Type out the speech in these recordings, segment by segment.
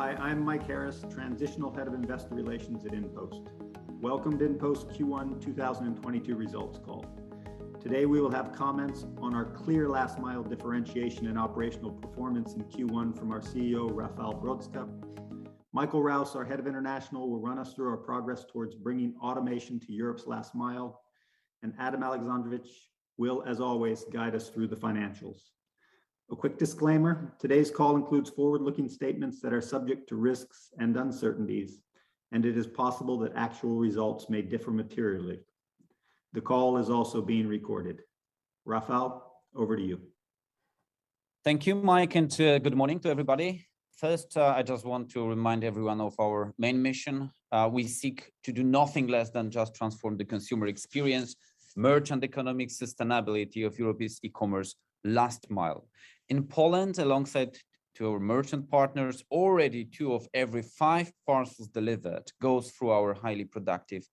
Hi, I'm Mike Harris, Transitional Head of Investor Relations at InPost. Welcome to InPost Q1 2022 results call. Today, we will have comments on our clear last mile differentiation and operational performance in Q1 from our CEO, Rafał Brzoska. Michael Rouse, our Head of International, will run us through our progress towards bringing automation to Europe's last mile, and Adam Aleksandrowicz will, as always, guide us through the financials. A quick disclaimer, today's call includes forward-looking statements that are subject to risks and uncertainties, and it is possible that actual results may differ materially. The call is also being recorded. Rafał, over to you. Thank you, Mike, and good morning to everybody. First, I just want to remind everyone of our main mission. We seek to do nothing less than just transform the consumer experience, merchant economic sustainability of Europe's e-commerce last mile. In Poland, alongside to our merchant partners, already two of every five parcels delivered goes through our highly productive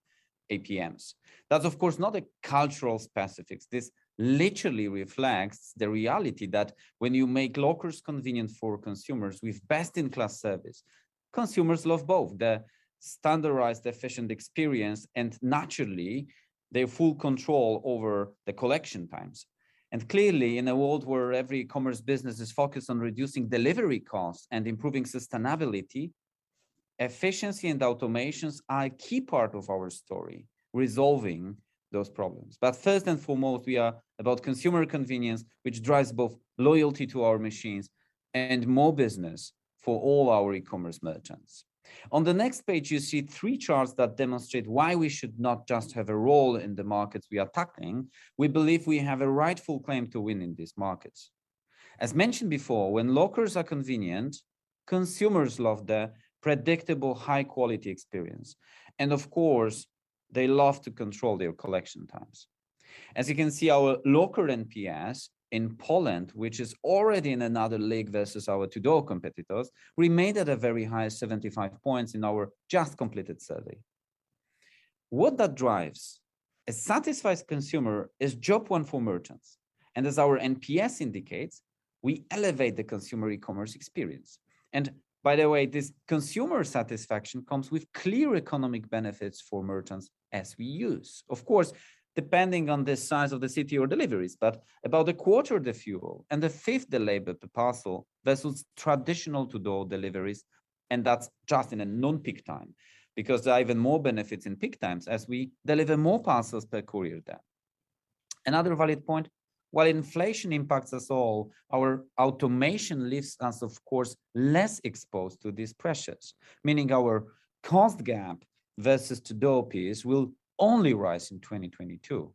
APMs. That's, of course, not a cultural specifics. This literally reflects the reality that when you make lockers convenient for consumers with best-in-class service, consumers love both the standardized, efficient experience and naturally, their full control over the collection times. Clearly, in a world where e-commerce business is focused on reducing delivery costs and improving sustainability, efficiency and automations are a key part of our story resolving those problems. First and foremost, we are about consumer convenience, which drives both loyalty to our machines and more business for all our e-commerce merchants. On the next page, you see three charts that demonstrate why we should not just have a role in the markets we are tackling. We believe we have a rightful claim to win in these markets. As mentioned before, when lockers are convenient, consumers love the predictable, high quality experience. Of course, they love to control their collection times. As you can see, our locker NPS in Poland, which is already in another league versus our door-to-door competitors, remained at a very high 75 points in our just completed survey. What that drives. A satisfied consumer is job one for merchants, and as our NPS indicates, we elevate the consumer e-commerce experience. By the way, this consumer satisfaction comes with clear economic benefits for merchants as we use. Of course, depending on the size of the city or deliveries, but about a quarter the fuel and a fifth the labor per parcel versus traditional door-to-door deliveries, and that's just in a non-peak time. Because there are even more benefits in peak times as we deliver more parcels per courier then. Another valid point, while inflation impacts us all, our automation leaves us, of course, less exposed to these pressures, meaning our cost gap versus door-to-door peers will only rise in 2022.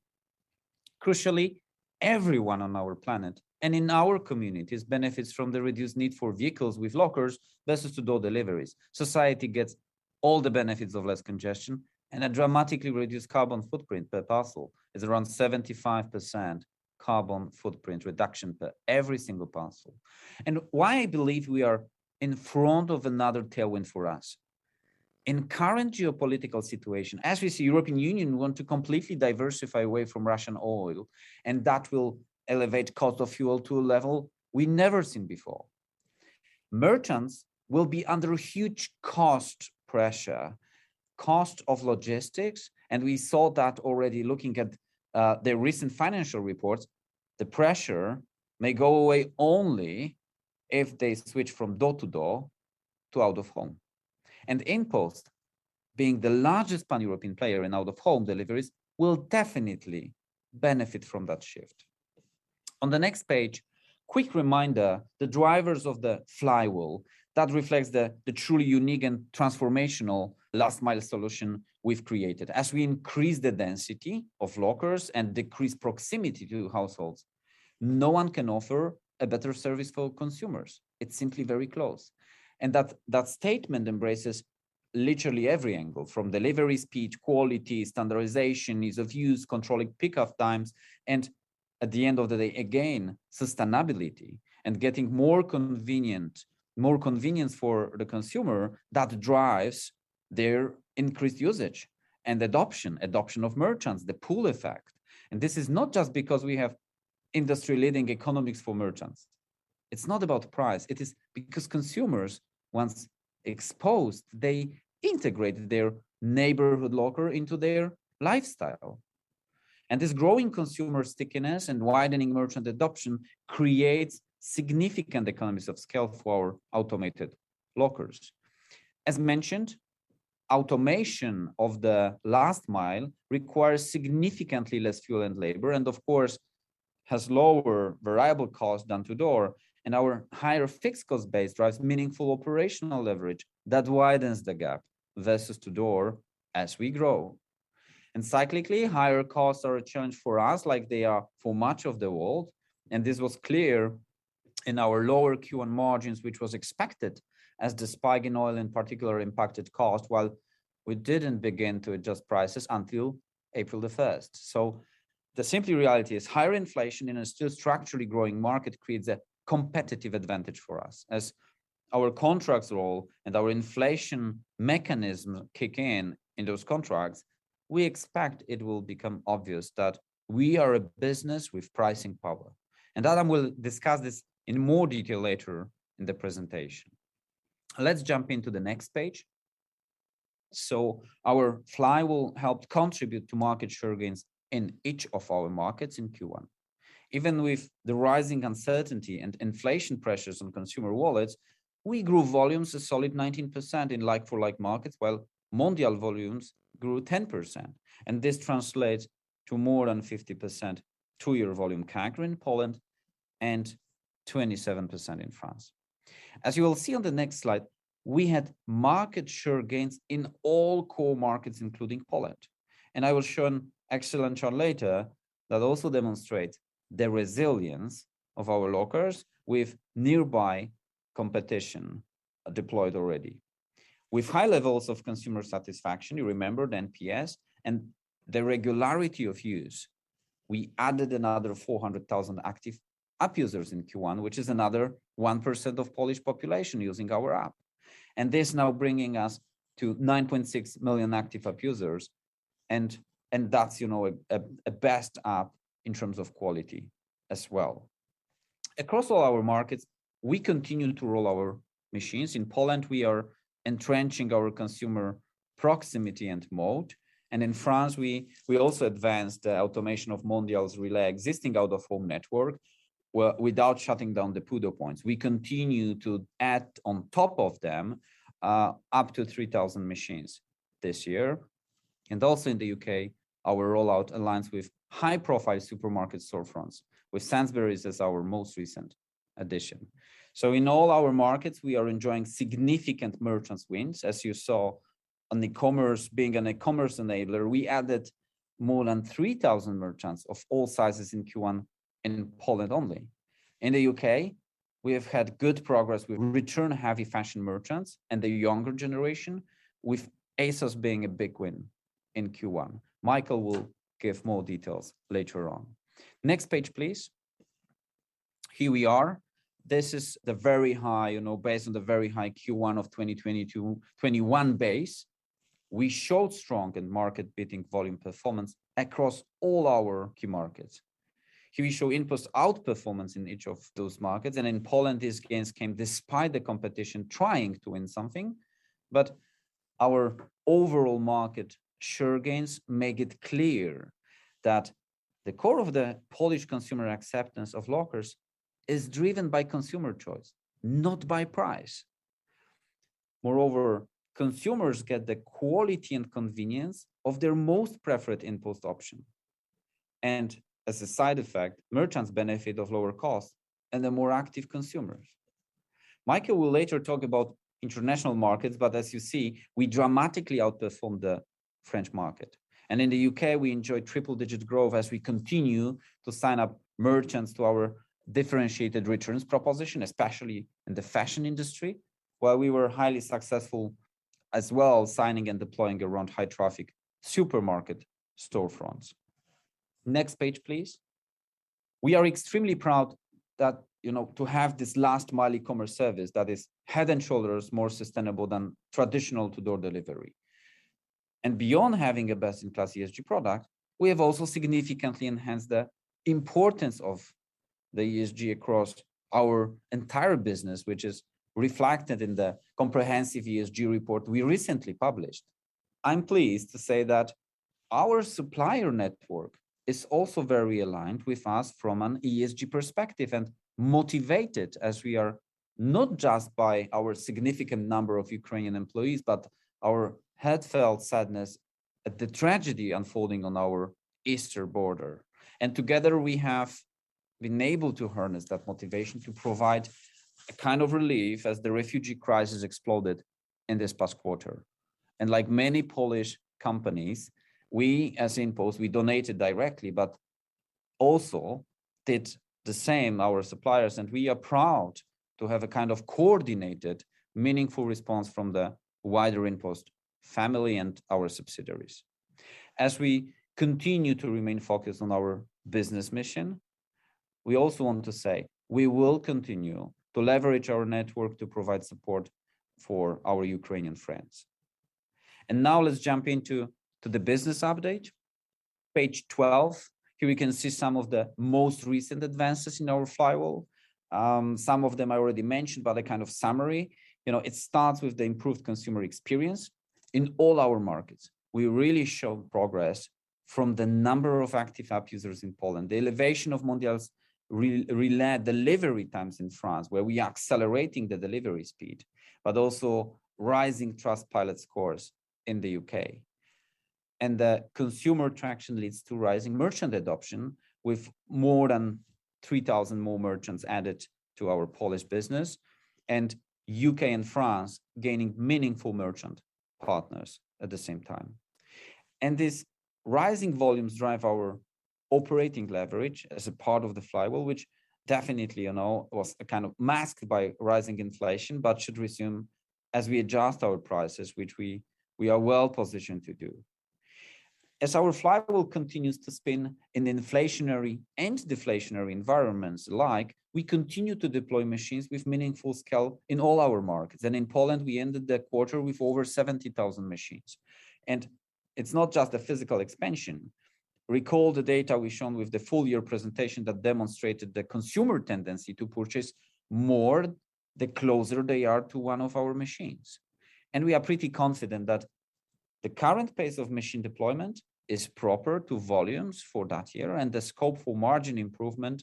Crucially, everyone on our planet and in our communities benefits from the reduced need for vehicles with lockers versus door-to-door deliveries. Society gets all the benefits of less congestion and a dramatically reduced carbon footprint per parcel. It's around 75% carbon footprint reduction per every single parcel. Why I believe we are in front of another tailwind for us? In current geopolitical situation, as we see, European Union want to completely diversify away from Russian oil, and that will elevate cost of fuel to a level we never seen before. Merchants will be under huge cost pressure, cost of logistics, and we saw that already looking at their recent financial reports. The pressure may go away only if they switch from door-to-door to out-of-home. InPost, being the largest pan-European player in out-of-home deliveries, will definitely benefit from that shift. On the next page, quick reminder, the drivers of the flywheel, that reflects the truly unique and transformational last mile solution we've created. As we increase the density of lockers and decrease proximity to households, no one can offer a better service for consumers. It's simply very close. That statement embraces literally every angle, from delivery speed, quality, standardization, ease of use, controlling pick-up times, and at the end of the day, again, sustainability and getting more convenience for the consumer that drives their increased usage and adoption of merchants, the pool effect. This is not just because we have industry-leading economics for merchants. It's not about price. It is because consumers, once exposed, they integrated their neighborhood locker into their lifestyle. This growing consumer stickiness and widening merchant adoption creates significant economies of scale for automated lockers. As mentioned, automation of the last mile requires significantly less fuel and labor and of course, has lower variable costs than to-door. Our higher fixed cost base drives meaningful operational leverage that widens the gap versus to-door as we grow. Cyclically, higher costs are a challenge for us like they are for much of the world, and this was clear in our lower Q1 margins, which was expected as the spike in oil in particular impacted cost, while we didn't begin to adjust prices until April the 1st. The simple reality is higher inflation in a still structurally growing market creates a competitive advantage for us as our contracts roll and our inflation mechanism kick in in those contracts. We expect it will become obvious that we are a business with pricing power. Adam will discuss this in more detail later in the presentation. Let's jump into the next page. Our flywheel helped contribute to market share gains in each of our markets in Q1. Even with the rising uncertainty and inflation pressures on consumer wallets, we grew volumes a solid 19% in like-for-like markets, while Mondial volumes grew 10%, and this translates to more than 50% two-year volume CAGR in Poland and 27% in France. As you will see on the next slide, we had market share gains in all core markets, including Poland, and I will show an excellent chart later that also demonstrates the resilience of our lockers with nearby competition deployed already. With high levels of consumer satisfaction, you remember the NPS, and the regularity of use, we added another 400,000 active app users in Q1, which is another 1% of Polish population using our app. This now bringing us to 9.6 million active app users and that's, you know, the best app in terms of quality as well. Across all our markets, we continue to roll our machines. In Poland, we are entrenching our consumer proximity and mode, and in France, we also advanced the automation of Mondial Relay's existing out-of-home network without shutting down the PUDO points. We continue to add on top of them, up to 3,000 machines this year. Also in the UK, our rollout aligns with high-profile supermarket storefronts, with Sainsbury's as our most recent addition. In all our markets, we are enjoying significant merchant wins, as you saw on e-commerce. Being an e-commerce enabler, we added more than 3,000 merchants of all sizes in Q1 in Poland only. In the UK, we have had good progress with return-heavy fashion merchants and the younger generation, with ASOS being a big win in Q1. Michael will give more details later on. Next page, please. Here we are. This is the very high, you know, based on the very high Q1 of 2020 to 2021 base. We showed strong and market-beating volume performance across all our key markets. Here we show InPost outperformance in each of those markets. In Poland, these gains came despite the competition trying to win something. But our overall market share gains make it clear that the core of the Polish consumer acceptance of lockers is driven by consumer choice, not by price. Moreover, consumers get the quality and convenience of their most preferred InPost option. As a side effect, merchants benefit of lower cost and the more active consumers. Michael will later talk about international markets, but as you see, we dramatically outperformed the French market. In the UK, we enjoyed triple-digit growth as we continue to sign up merchants to our differentiated returns proposition, especially in the fashion industry, while we were highly successful as well, signing and deploying around high-traffic supermarket storefronts. Next page, please. We are extremely proud that, you know, to have this last mile e-commerce service that is head and shoulders more sustainable than traditional door-to-door delivery. Beyond having a best-in-class ESG product, we have also significantly enhanced the importance of the ESG across our entire business, which is reflected in the comprehensive ESG report we recently published. I'm pleased to say that our supplier network is also very aligned with us from an ESG perspective, and motivated as we are not just by our significant number of Ukrainian employees, but our heartfelt sadness at the tragedy unfolding on our eastern border. Together, we have been able to harness that motivation to provide a kind of relief as the refugee crisis exploded in this past quarter. Like many Polish companies, we, as InPost, donated directly, but also did the same, our suppliers, and we are proud to have a kind of coordinated, meaningful response from the wider InPost family and our subsidiaries. As we continue to remain focused on our business mission, we also want to say, we will continue to leverage our network to provide support for our Ukrainian friends. Now let's jump into, to the business update. Page twelve. Here we can see some of the most recent advances in our flywheel. Some of them I already mentioned, but a kind of summary. You know, it starts with the improved consumer experience in all our markets. We really show progress from the number of active app users in Poland. The elevation of Mondial Relay's delivery times in France, where we are accelerating the delivery speed, but also rising Trustpilot scores in the UK. The consumer traction leads to rising merchant adoption with more than 3,000 more merchants added to our Polish business, and UK and France gaining meaningful merchant partners at the same time. These rising volumes drive our operating leverage as a part of the flywheel, which definitely, you know, was kind of masked by rising inflation, but should resume as we adjust our prices, which we are well positioned to do. As our flywheel continues to spin in inflationary and deflationary environments alike, we continue to deploy machines with meaningful scale in all our markets. In Poland, we ended the quarter with over 70,000 machines. It's not just a physical expansion. Recall the data we've shown with the full year presentation that demonstrated the consumer tendency to purchase more the closer they are to one of our machines. We are pretty confident that the current pace of machine deployment is proper to volumes for that year, and the scope for margin improvement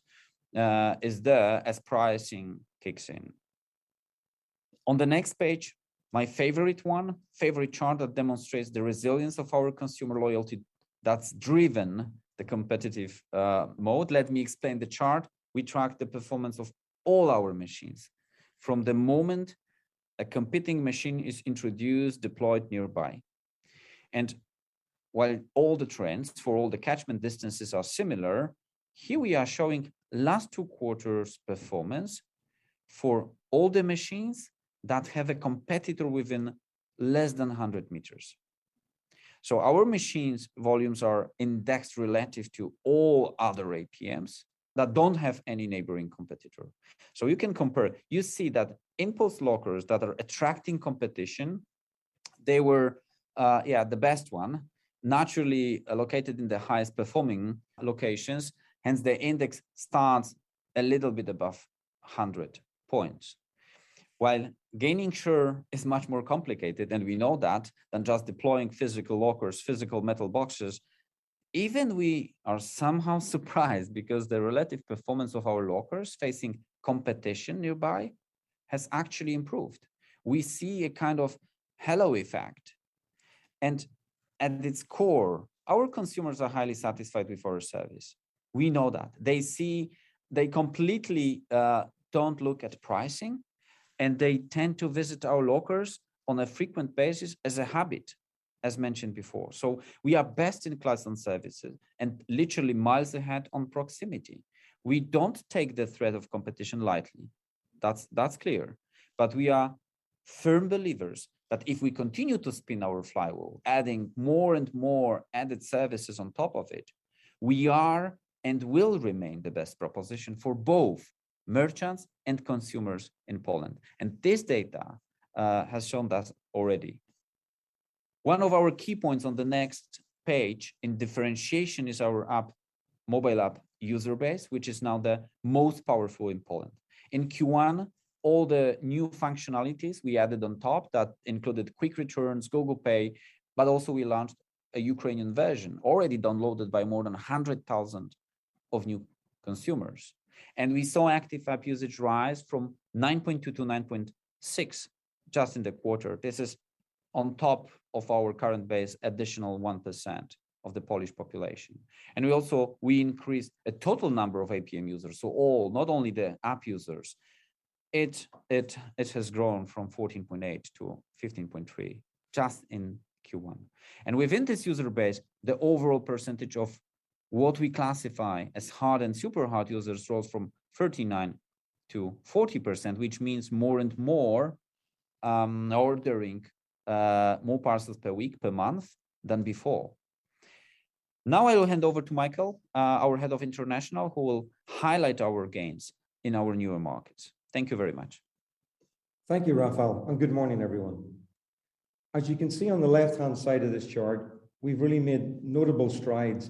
is there as pricing kicks in. On the next page, my favorite chart that demonstrates the resilience of our consumer loyalty that's driven the competitive moat. Let me explain the chart. We track the performance of all our machines from the moment a competing machine is introduced, deployed nearby. While all the trends for all the catchment distances are similar, here we are showing last Q2performance for all the machines that have a competitor within less than 100 meters. Our machines' volumes are indexed relative to all other APMs that don't have any neighboring competitor. You can compare. You see that InPost lockers that are attracting competition, they were the best one, naturally allocated in the highest performing locations, hence their index starts a little bit above 100 points. While gaining share is much more complicated, and we know that, than just deploying physical lockers, physical metal boxes. Even we are somehow surprised because the relative performance of our lockers facing competition nearby has actually improved. We see a kind of halo effect. At its core, our consumers are highly satisfied with our service. We know that. They see. They completely don't look at pricing, and they tend to visit our lockers on a frequent basis as a habit, as mentioned before. We are best in class on services and literally miles ahead on proximity. We don't take the threat of competition lightly. That's clear. We are firm believers that if we continue to spin our flywheel, adding more and more added services on top of it, we are and will remain the best proposition for both merchants and consumers in Poland. This data has shown that already. One of our key points on the next page in differentiation is our app, mobile app user base, which is now the most powerful in Poland. In Q1, all the new functionalities we added on top that included quick returns, Google Pay, but also we launched a Ukrainian version already downloaded by more than 100,000 new consumers. We saw active app usage rise from 9.2 to 9.6 just in the quarter. This is on top of our current base, additional 1% of the Polish population. We increased a total number of APM users, so all, not only the app users. It has grown from 14.8 to 15.3 just in Q1. Within this user base, the overall percentage of what we classify as hard and super hard users rose from 39%-40%, which means more and more ordering more parcels per week, per month than before. Now, I will hand over to Michael, our head of international, who will highlight our gains in our newer markets. Thank you very much. Thank you, Rafał, and good morning, everyone. As you can see on the left-hand side of this chart, we've really made notable strides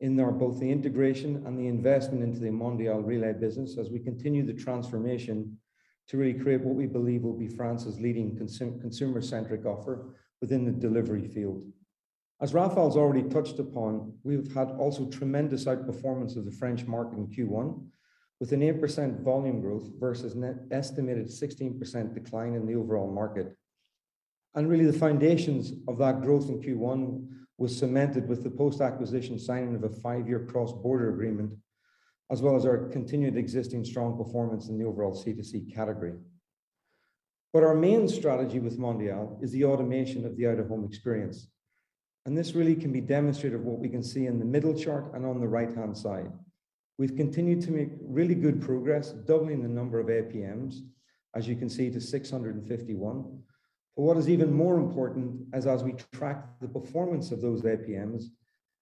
in our both the integration and the investment into the Mondial Relay business as we continue the transformation to really create what we believe will be France's leading consumer-centric offer within the delivery field. As Rafał's already touched upon, we've had also tremendous outperformance of the French market in Q1 with an 8% volume growth versus an estimated 16% decline in the overall market. Really, the foundations of that growth in Q1 was cemented with the post-acquisition signing of a 5-year cross-border agreement, as well as our continued existing strong performance in the overall C2C category. Our main strategy with Mondial is the automation of the out-of-home experience, and this really can be demonstrated what we can see in the middle chart and on the right-hand side. We've continued to make really good progress, doubling the number of APMs, as you can see, to 651. What is even more important as we track the performance of those APMs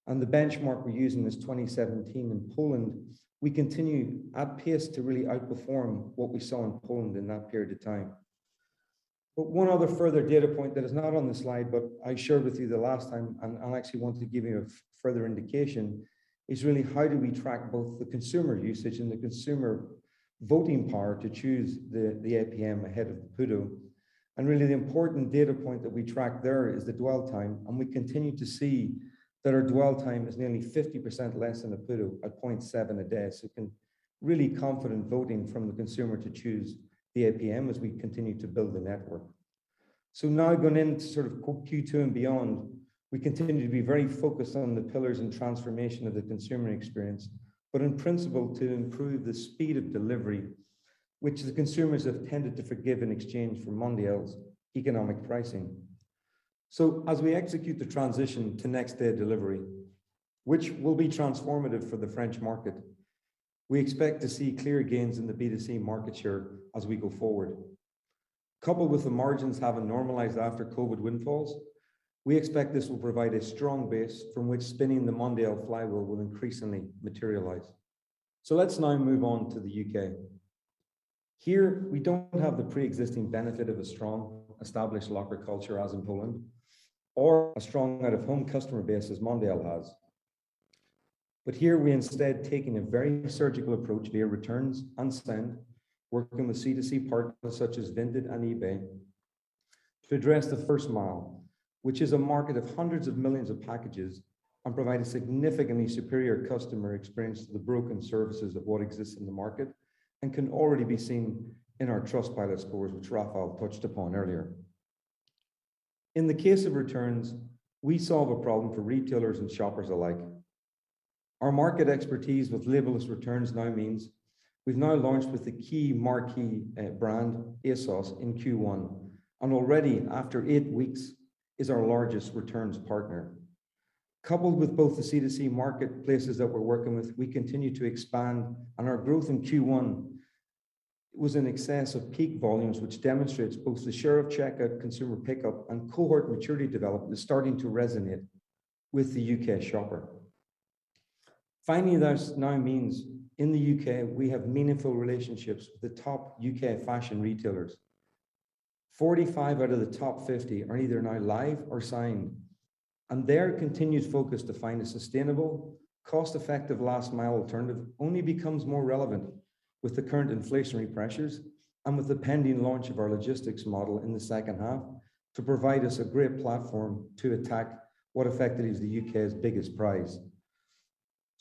and the benchmark we're using is 2017 in Poland, we continue at pace to really outperform what we saw in Poland in that period of time. One other further data point that is not on the slide, but I shared with you the last time, and I actually wanted to give you a further indication, is really how do we track both the consumer usage and the consumer voting power to choose the APM ahead of the PUDO. Really the important data point that we track there is the dwell time, and we continue to see that our dwell time is nearly 50% less than a PUDO at 0.7 a day. You can really confidently opting from the consumer to choose the APM as we continue to build the network. Now going into sort of Q2 and beyond, we continue to be very focused on the pillars and transformation of the consumer experience, but principally to improve the speed of delivery, which the consumers have tended to forgive in exchange for Mondial's economic pricing. As we execute the transition to next day delivery, which will be transformative for the French market, we expect to see clear gains in the B2C market share as we go forward. Coupled with the margins having normalized after COVID windfalls, we expect this will provide a strong base from which spinning the Mondial's flywheel will increasingly materialize. Let's now move on to the UK. Here, we don't have the pre-existing benefit of a strong established locker culture as in Poland or a strong out-of-home customer base as Mondial's has. Here we instead taking a very surgical approach to their returns and spend, working with C2C partners such as Vinted and eBay to address the first mile, which is a market of hundreds of millions of packages, and provide a significantly superior customer experience to the broken services of what exists in the market and can already be seen in our Trustpilot scores, which Rafał touched upon earlier. In the case of returns, we solve a problem for retailers and shoppers alike. Our market expertise with label-less returns now means we've now launched with a key marquee brand, ASOS, in Q1, and already after eight weeks is our largest returns partner. Coupled with both the C2C marketplaces that we're working with, we continue to expand and our growth in Q1 was in excess of peak volumes, which demonstrates both the share of checkout consumer pickup and cohort maturity development is starting to resonate with the UK shopper. Finally, this now means in the UK we have meaningful relationships with the top UK fashion retailers. 45 out of the top 50 are either now live or signed, and their continued focus to find a sustainable, cost-effective last-mile alternative only becomes more relevant with the current inflationary pressures and with the pending launch of our logistics model in the second half to provide us a great platform to attack what effectively is the UK's biggest prize.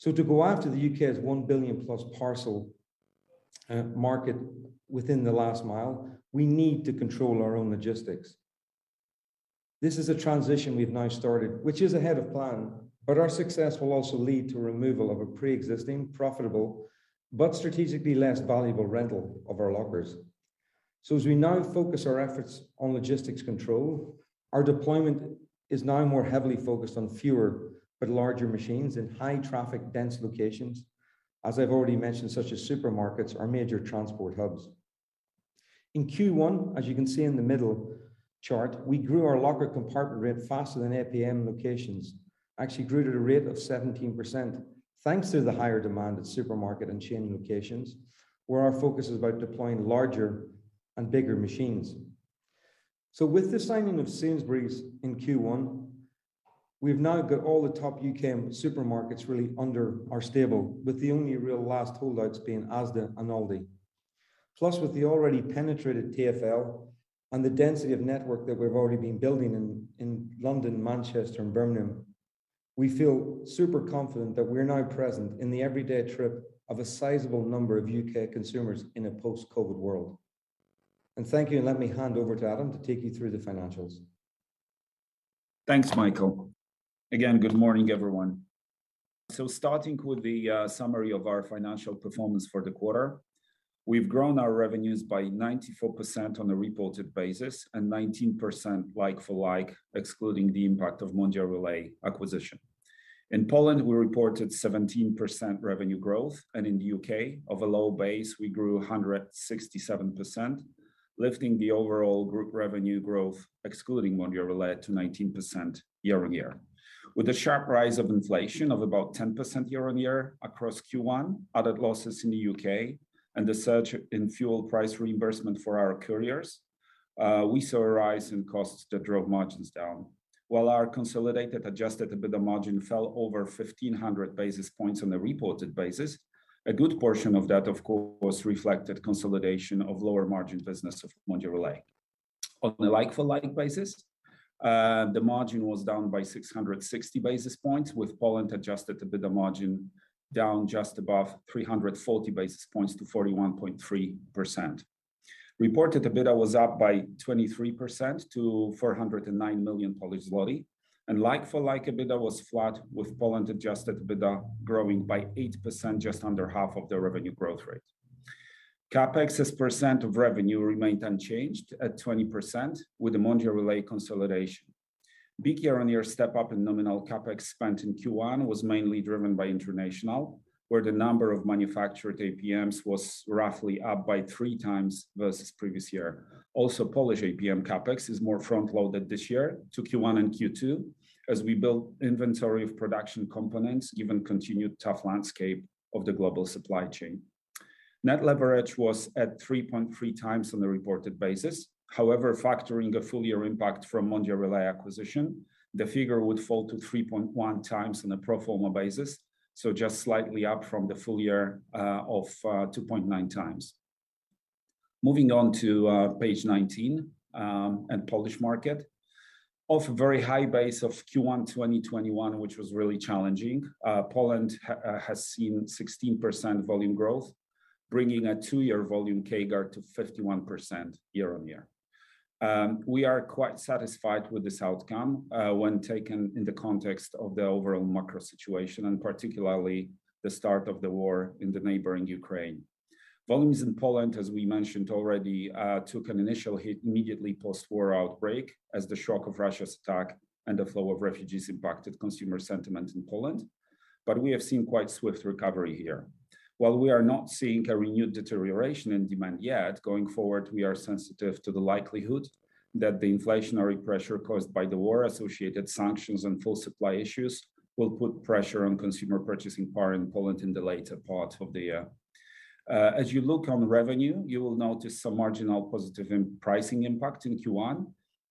To go after the UK's 1 billion-plus parcel market within the last mile, we need to control our own logistics. This is a transition we've now started, which is ahead of plan, but our success will also lead to removal of a pre-existing, profitable but strategically less valuable rental of our lockers. As we now focus our efforts on logistics control, our deployment is now more heavily focused on fewer but larger machines in high traffic dense locations, as I've already mentioned, such as supermarkets or major transport hubs. In Q1, as you can see in the middle chart, we grew our locker compartment rate faster than APM locations. Actually grew at a rate of 17% thanks to the higher demand at supermarket and chain locations, where our focus is about deploying larger and bigger machines. With the signing of Sainsbury's in Q1, we've now got all the top U.K. supermarkets really under our stable, with the only real last holdouts being Asda and Aldi. With the already penetrated TfL and the density of network that we've already been building in London, Manchester and Birmingham, we feel super confident that we're now present in the everyday trip of a sizable number of UK consumers in a post-COVID world. Thank you, and let me hand over to Adam to take you through the financials. Thanks, Michael. Again, good morning everyone. Starting with the summary of our financial performance for the quarter. We've grown our revenues by 94% on a reported basis and 19% like for like, excluding the impact of Mondial Relay acquisition. In Poland, we reported 17% revenue growth, and in the UK off a low base, we grew 167%, lifting the overall group revenue growth, excluding Mondial Relay to 19% year on year. With the sharp rise of inflation of about 10% year on year across Q1, added losses in the UK and the surge in fuel price reimbursement for our couriers, we saw a rise in costs that drove margins down. While our consolidated adjusted EBITDA margin fell over 1,500 basis points on a reported basis, a good portion of that, of course, reflected consolidation of lower margin business of Mondial Relay. On a like for like basis, the margin was down by 660 basis points, with Poland adjusted EBITDA margin down just above 340 basis points to 41.3%. Reported EBITDA was up by 23% to 409 million Polish zloty, and like for like, EBITDA was flat with Poland adjusted EBITDA growing by 8%, just under half of the revenue growth rate. CapEx as percent of revenue remained unchanged at 20% with the Mondial Relay consolidation. Big year-on-year step up in nominal CapEx spent in Q1 was mainly driven by international, where the number of manufactured APMs was roughly up by 3 times versus previous year. Polish APM CapEx is more front-loaded this year to Q1 and Q2 as we build inventory of production components, given continued tough landscape of the global supply chain. Net leverage was at 3.3x on the reported basis. However, factoring the full-year impact from Mondial Relay acquisition, the figure would fall to 3.1x on a pro forma basis, so just slightly up from the full year of 2.9x. Moving on to page 19 and Polish market. Off a very high base of Q1 2021, which was really challenging, Poland has seen 16% volume growth. Bringing a two-year volume CAGR to 51% year-on-year. We are quite satisfied with this outcome when taken in the context of the overall macro situation, and particularly the start of the war in the neighboring Ukraine. Volumes in Poland, as we mentioned already, took an initial hit immediately post-war outbreak as the shock of Russia's attack and the flow of refugees impacted consumer sentiment in Poland. We have seen quite swift recovery here. While we are not seeing a renewed deterioration in demand yet, going forward, we are sensitive to the likelihood that the inflationary pressure caused by the war-associated sanctions and fuel supply issues will put pressure on consumer purchasing power in Poland in the later part of the year. As you look on revenue, you will notice some marginal positive pricing impact in Q1.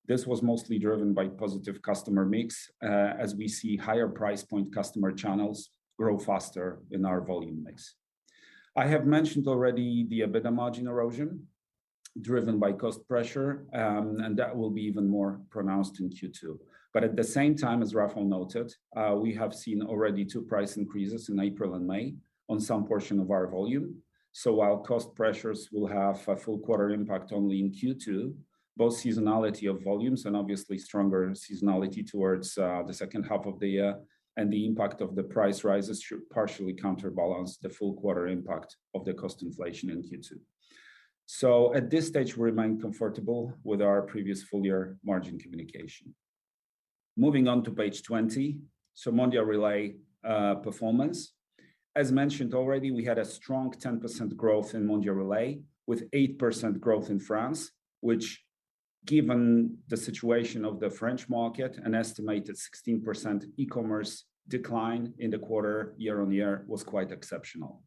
This was mostly driven by positive customer mix, as we see higher price point customer channels grow faster in our volume mix. I have mentioned already the EBITDA margin erosion driven by cost pressure. That will be even more pronounced in Q2. At the same time, as Rafał Brzoska noted, we have seen already two price increases in April and May on some portion of our volume. While cost pressures will have a full quarter impact only in Q2, both seasonality of volumes and obviously stronger seasonality towards the second half of the year and the impact of the price rises should partially counterbalance the full quarter impact of the cost inflation in Q2. At this stage, we remain comfortable with our previous full-year margin communication. Moving on to page 20. Mondial Relay performance. As mentioned already, we had a strong 10% growth in Mondial Relay with 8% growth in France, which given the situation of the French market, an estimated 16% e-commerce decline in the quarter year on year was quite exceptional.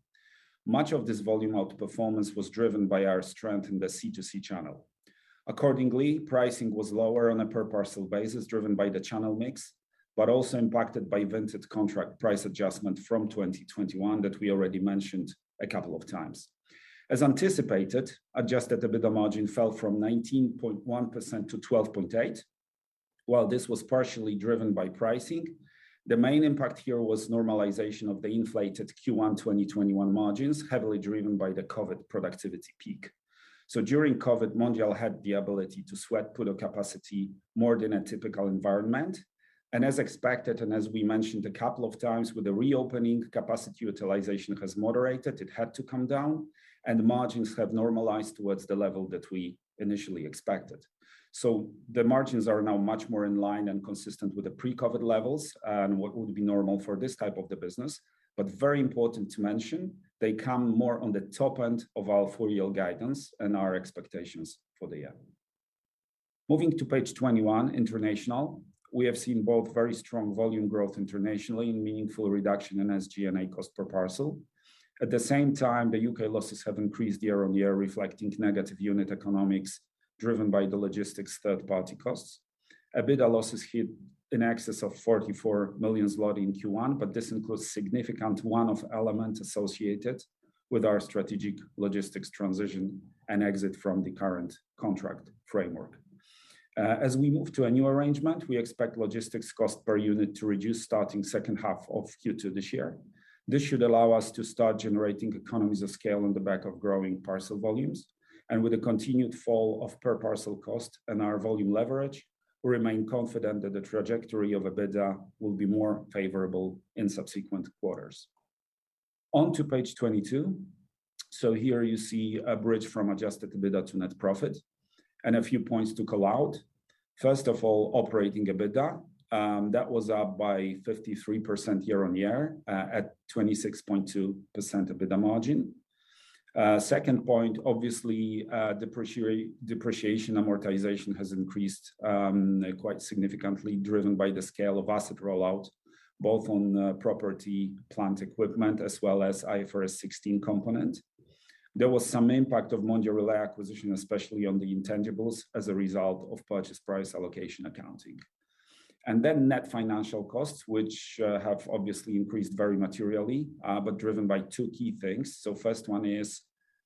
Much of this volume outperformance was driven by our strength in the C2C channel. Accordingly, pricing was lower on a per parcel basis, driven by the channel mix, but also impacted by Vinted contract price adjustment from 2021 that we already mentioned a couple of times. As anticipated, adjusted EBITDA margin fell from 19.1% to 12.8%. While this was partially driven by pricing, the main impact here was normalization of the inflated Q1 2021 margins, heavily driven by the COVID productivity peak. During COVID, Mondial had the ability to sweat PUDO capacity more than a typical environment. As expected, and as we mentioned a couple of times, with the reopening capacity utilization has moderated, it had to come down and margins have normalized towards the level that we initially expected. The margins are now much more in line and consistent with the pre-COVID levels and what would be normal for this type of the business. Very important to mention, they come more on the top end of our full-year guidance and our expectations for the year. Moving to page 21, international. We have seen both very strong volume growth internationally and meaningful reduction in SG&A cost per parcel. At the same time, the U.K. losses have increased year-on-year, reflecting negative unit economics driven by the logistics third-party costs. EBITDA losses hit in excess of 44 million zloty in Q1, but this includes significant one-off element associated with our strategic logistics transition and exit from the current contract framework. As we move to a new arrangement, we expect logistics cost per unit to reduce starting second half of Q2 this year. This should allow us to start generating economies of scale on the back of growing parcel volumes. With a continued fall of per parcel cost and our volume leverage, we remain confident that the trajectory of EBITDA will be more favorable in subsequent quarters. Onto page 22. Here you see a bridge from adjusted EBITDA to net profit and a few points to call out. First of all, operating EBITDA, that was up by 53% year-on-year, at 26.2% EBITDA margin. Second point, obviously, depreciation and amortization has increased, quite significantly, driven by the scale of asset rollout, both on property, plant and equipment, as well as IFRS 16 component. There was some impact of Mondial Relay acquisition, especially on the intangibles as a result of purchase price allocation accounting. Net financial costs, which have obviously increased very materially, but driven by two key things. First one is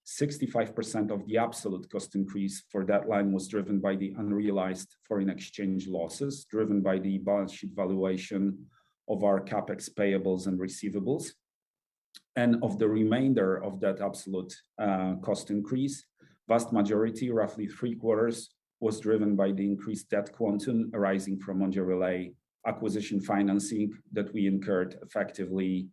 65% of the absolute cost increase for that line was driven by the unrealized foreign exchange losses, driven by the balance sheet valuation of our CapEx payables and receivables. Of the remainder of that absolute cost increase, vast majority, roughly Q3, was driven by the increased debt quantum arising from Mondial Relay acquisition financing that we incurred effectively,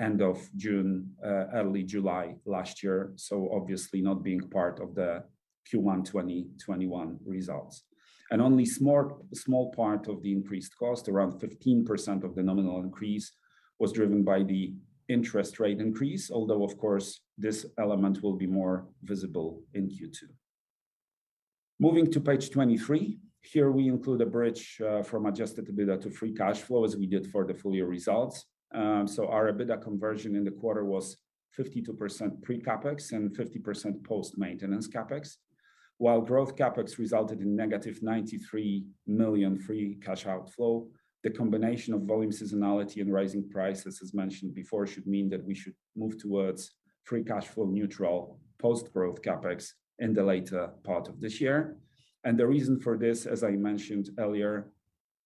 end of June, early July last year. Obviously not being part of the Q1 2021 results. Only small part of the increased cost, around 15% of the nominal increase, was driven by the interest rate increase, although of course this element will be more visible in Q2. Moving to page 23. Here we include a bridge from adjusted EBITDA to free cash flow as we did for the full year results. Our EBITDA conversion in the quarter was 52% pre-CapEx and 50% post-maintenance CapEx. While growth CapEx resulted in negative 93 million free cash outflow, the combination of volume seasonality and rising prices, as mentioned before, should mean that we should move towards free cash flow neutral post growth CapEx in the later part of this year. The reason for this, as I mentioned earlier,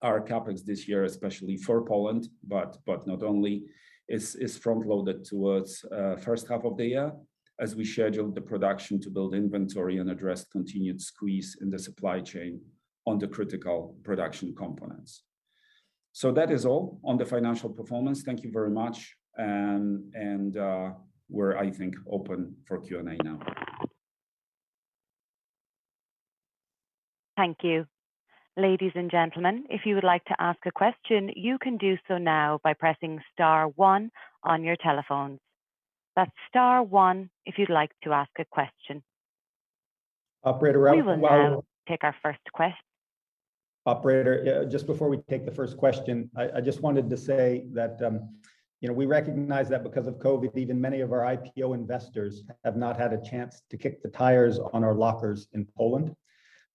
our CapEx this year, especially for Poland, but not only, is front-loaded towards first half of the year as we scheduled the production to build inventory and address continued squeeze in the supply chain on the critical production components. That is all on the financial performance. Thank you very much. We're, I think, open for Q&A now. Thank you. Ladies and gentlemen, if you would like to ask a question, you can do so now by pressing star one on your telephones. That's star one if you'd like to ask a question. Operator, I will. We will now take our first question. Operator, just before we take the first question, I just wanted to say that, you know, we recognize that because of COVID, even many of our IPO investors have not had a chance to kick the tires on our lockers in Poland,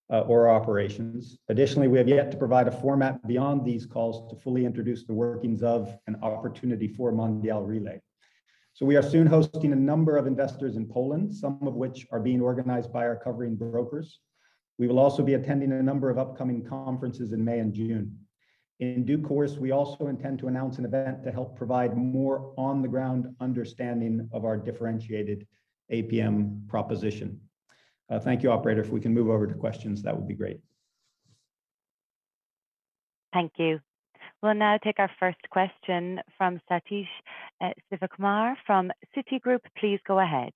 or our operations. Additionally, we have yet to provide a format beyond these calls to fully introduce the workings of an opportunity for Mondial Relay. We are soon hosting a number of investors in Poland, some of which are being organized by our covering brokers. We will also be attending a number of upcoming conferences in May and June. In due course, we also intend to announce an event to help provide more on-the-ground understanding of our differentiated APM proposition. Thank you, operator. If we can move over to questions, that would be great. Thank you. We'll now take our first question from Sathish Sivakumar from Citigroup. Please go ahead.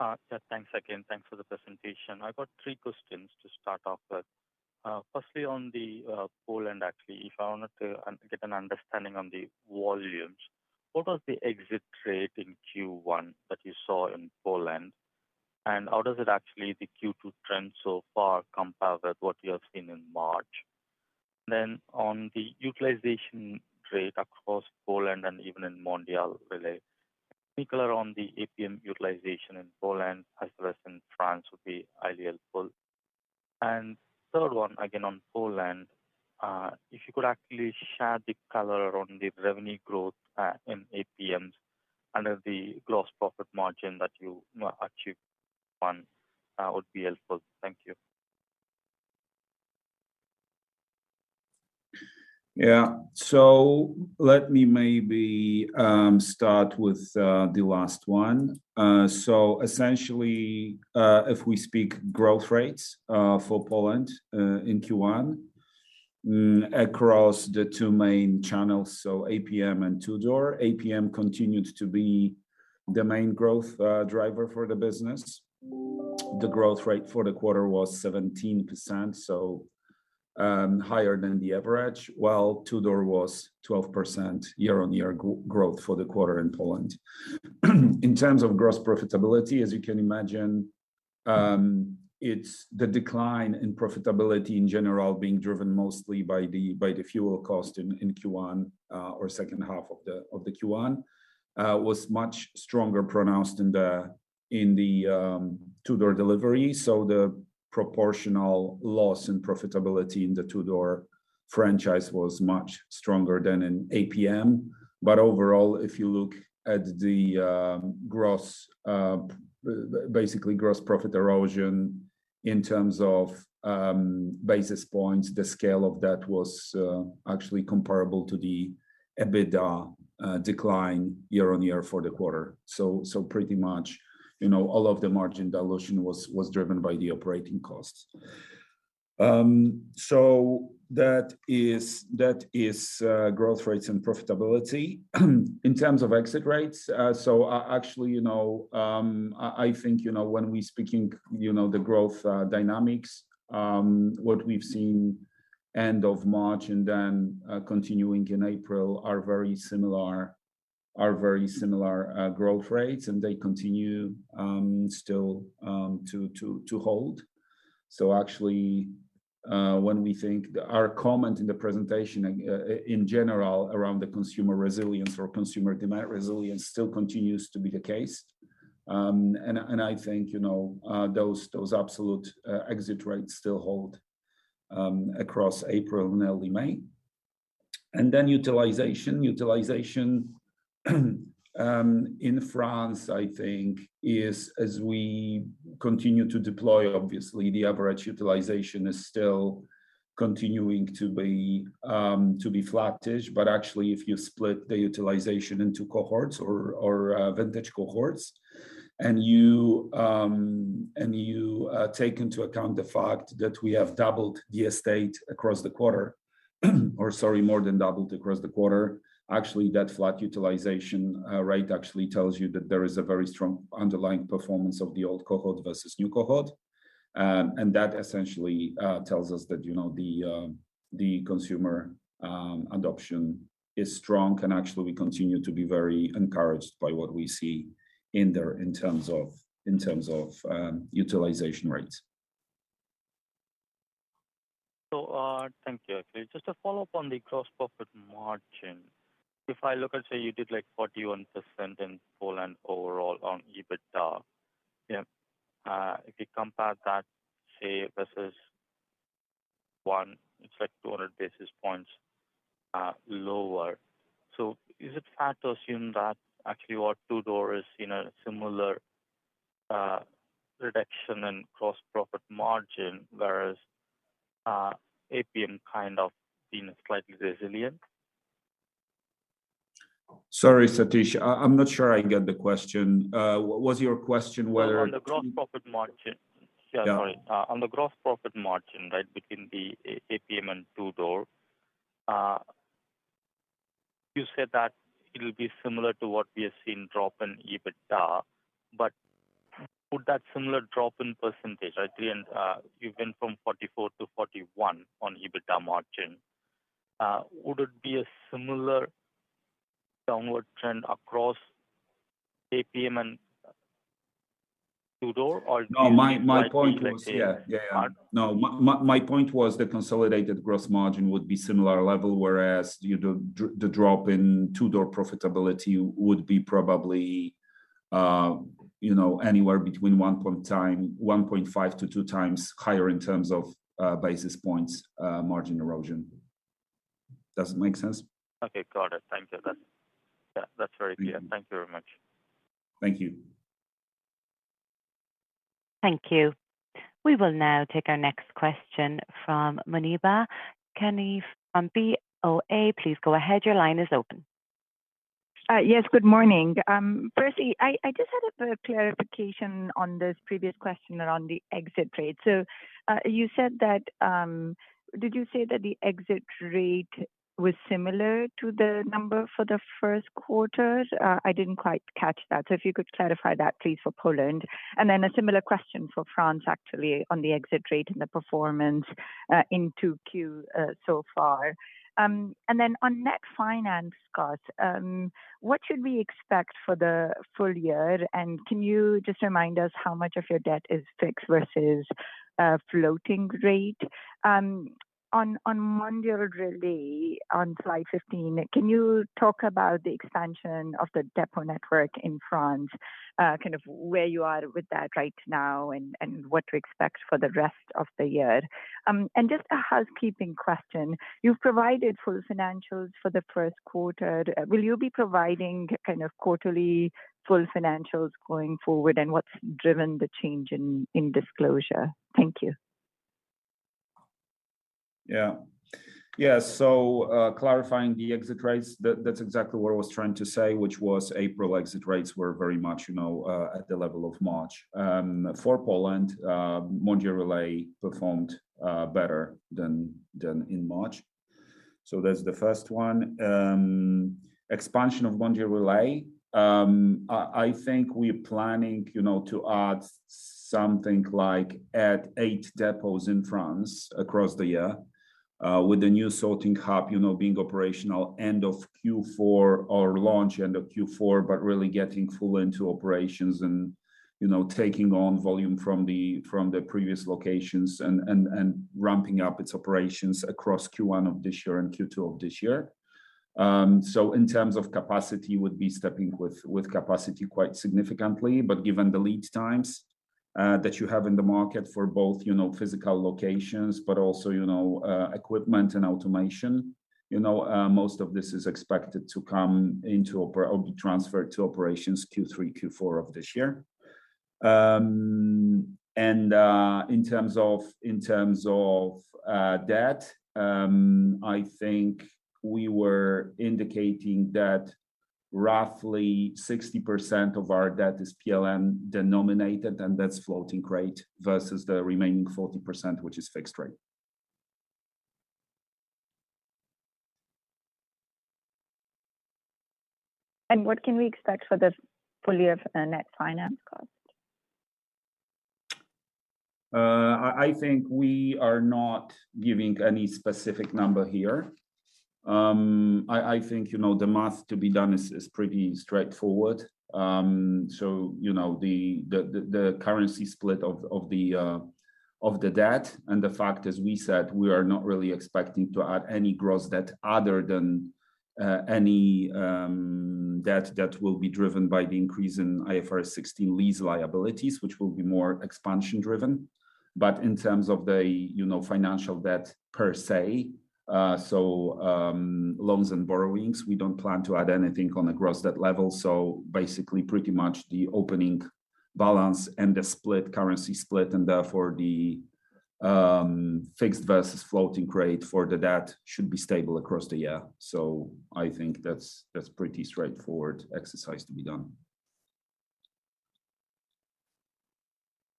Yeah, thanks again. Thanks for the presentation. I've got three questions to start off with. Firstly on Poland actually. If I wanted to get an understanding on the volumes, what was the exit rate in Q1 that you saw in Poland? How does the Q2 trend so far compare with what you have seen in March? On the utilization rate across Poland and even in Mondial Relay, particularly on the APM utilization in Poland as well as in France would be highly helpful. Third one, again, on Poland, if you could actually shed the color on the revenue growth in APMs and of the gross profit margin that you know achieved. One would be helpful. Thank you. Let me maybe start with the last one. Essentially, if we speak growth rates for Poland in Q1 across the two main channels, APM and two-door, APM continued to be the main growth driver for the business. The growth rate for the quarter was 17% higher than the average. While two-door was 12% year-on-year growth for the quarter in Poland. In terms of gross profitability, as you can imagine, it's the decline in profitability in general being driven mostly by the fuel cost in Q1 or second half of the Q1 was much stronger pronounced in the two-door delivery. The proportional loss in profitability in the two-door franchise was much stronger than in APM. Overall, if you look at the gross basically gross profit erosion in terms of basis points, the scale of that was actually comparable to the EBITDA decline year-on-year for the quarter. Pretty much, you know, all of the margin dilution was driven by the operating costs. That is growth rates and profitability. In terms of exit rates, actually, you know, I think, you know, when we speaking, you know, the growth dynamics what we've seen end of March and then continuing in April are very similar growth rates, and they continue still to hold. Actually, when we think about our comment in the presentation, in general around the consumer resilience or consumer demand resilience still continues to be the case. I think, you know, those absolute exit rates still hold across April and early May. Then utilization in France, I think, is, as we continue to deploy, obviously the average utilization is still continuing to be flattish. Actually, if you split the utilization into cohorts or vintage cohorts and you take into account the fact that we have doubled the estate across the quarter, or sorry, more than doubled across the quarter, actually, that flat utilization rate actually tells you that there is a very strong underlying performance of the old cohort versus new cohort. That essentially tells us that, you know, the consumer adoption is strong, and actually we continue to be very encouraged by what we see in there in terms of utilization rates. Thank you. Just a follow-up on the gross profit margin. If I look at, say, you did like 41% in Poland overall on EBITDA. Yeah. If you compare that, say, versus one, it's like 200 basis points lower. Is it fair to assume that actually what two-door is in a similar reduction in gross profit margin, whereas APM kind of been slightly resilient? Sorry, Satish. I'm not sure I get the question. Was your question whether? No, on the gross profit margin. Yeah, sorry. Yeah. On the gross profit margin, right, between the APM and two-door, you said that it'll be similar to what we have seen drop in EBITDA. Would that similar drop in percentage, right, when you went from 44% to 41% on EBITDA margin, would it be a similar downward trend across APM and two-door, or do you think slightly less- No, my point was. Yeah. Yeah, yeah. -hard? No. My point was the consolidated gross margin would be similar level, whereas, you know, the drop in two-door profitability would be probably, you know, anywhere between 1.5-2 times higher in terms of basis points margin erosion. Does it make sense? Okay. Got it. Thank you. Yeah, that's very clear. Mm-hmm. Thank you very much. Thank you. Thank you. We will now take our next question from Othman Bricha from BofA. Please go ahead. Your line is open. Yes. Good morning. Firstly, I just had a clarification on this previous question around the exit rate. You said that. Did you say that the exit rate was similar to the number for the first quarter? I didn't quite catch that. If you could clarify that please for Poland. And then a similar question for France actually on the exit rate and the performance in 2Q so far. And then on net finance costs, what should we expect for the full year? And can you just remind us how much of your debt is fixed versus floating rate? On Mondial Relay on slide 15, can you talk about the expansion of the depot network in France, kind of where you are with that right now and what to expect for the rest of the year? Just a housekeeping question. You've provided full financials for the Q1. Will you be providing kind of quarterly full financials going forward, and what's driven the change in disclosure? Thank you. Yeah. Yeah. Clarifying the exit rates, that's exactly what I was trying to say, which was April exit rates were very much, you know, at the level of March. For Poland, Mondial Relay performed better than in March. That's the first one. Expansion of Mondial Relay, I think we're planning, you know, to add something like 8 depots in France across the year, with the new sorting hub, you know, being operational end of Q4 or launch end of Q4, but really getting full into operations and, you know, taking on volume from the previous locations and ramping up its operations across Q1 of this year and Q2 of this year. In terms of capacity, we'll be stepping up with capacity quite significantly. Given the lead times that you have in the market for both, you know, physical locations, but also, you know, equipment and automation, you know, most of this is expected to come into operation or be transferred to operations Q3, Q4 of this year. In terms of debt, I think we were indicating that roughly 60% of our debt is PLN denominated, and that's floating rate versus the remaining 40%, which is fixed rate. What can we expect for the full year for the net finance cost? I think we are not giving any specific number here. I think, you know, the math to be done is pretty straightforward. You know, the currency split of the debt and the fact, as we said, we are not really expecting to add any gross debt other than any debt that will be driven by the increase in IFRS 16 lease liabilities, which will be more expansion driven. In terms of, you know, financial debt per se, loans and borrowings, we don't plan to add anything on a gross debt level. Basically pretty much the opening balance and the currency split, and therefore fixed versus floating rate for the debt should be stable across the year. I think that's pretty straightforward exercise to be done.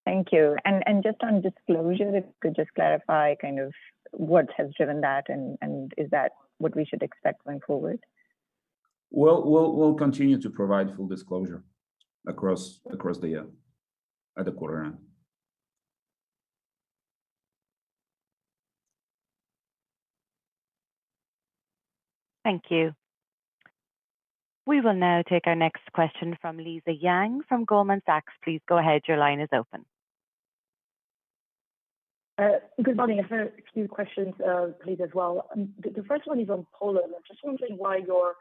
Thank you. Just on disclosure, if you could just clarify kind of what has driven that and is that what we should expect going forward? We'll continue to provide full disclosure across the year at the quarter end. Thank you. We will now take our next question from Lisa Yang from Goldman Sachs. Please go ahead. Your line is open. Good morning. I have a few questions, please as well. The first one is on Poland. I'm just wondering why your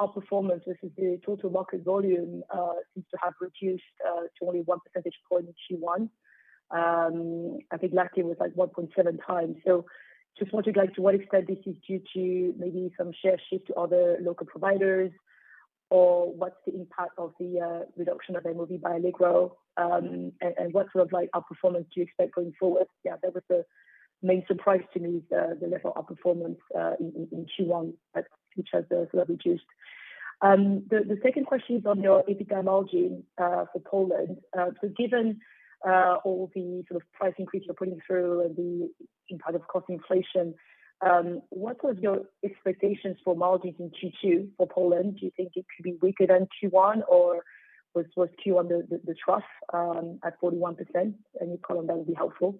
outperformance versus the total market volume seems to have reduced to only 1 percentage point in Q1. I think last year was like 1.7 times. So just wondered, like, to what extent this is due to maybe some share shift to other local providers or what's the impact of the reduction of MOV by Allegro, and what sort of like outperformance do you expect going forward? Yeah, that was the main surprise to me, the level of outperformance in Q1 at which has sort of reduced. The second question is on your EBITDA margin for Poland. So given all the sort of price increase you're putting through and the impact of cost inflation, what was your expectations for margins in Q2 for Poland? Do you think it could be weaker than Q1 or was Q1 the trough at 41%? Any color on that would be helpful.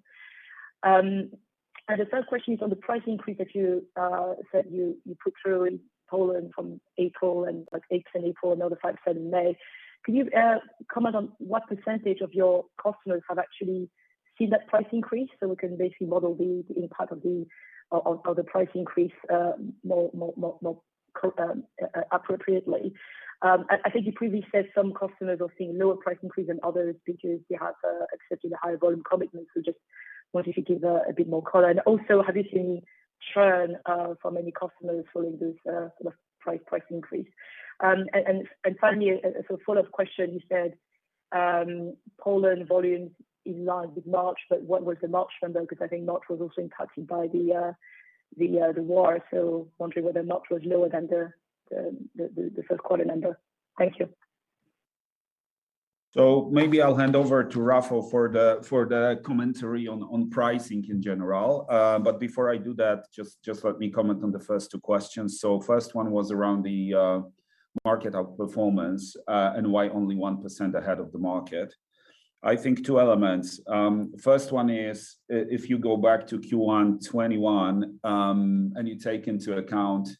The third question is on the price increase that you put through in Poland from April, like 8th April, another five cents in May. Can you comment on what percentage of your customers have actually seen that price increase, so we can basically model the impact of the price increase more appropriately? I think you previously said some customers are seeing lower price increase than others because you have accepted a higher volume commitment. Just wondered if you could give a bit more color. Also, have you seen churn from any customers following this sort of price increase? Finally, a sort of follow-up question. You said Poland volumes in line with March, but what was the March number? 'Cause I think March was also impacted by the war. Wondering whether March was lower than the Q1 number. Thank you. Maybe I'll hand over to Rafał for the commentary on pricing in general. Before I do that, just let me comment on the first two questions. First one was around the market outperformance, and why only 1% ahead of the market. I think two elements. First one is if you go back to Q1 2021, and you take into account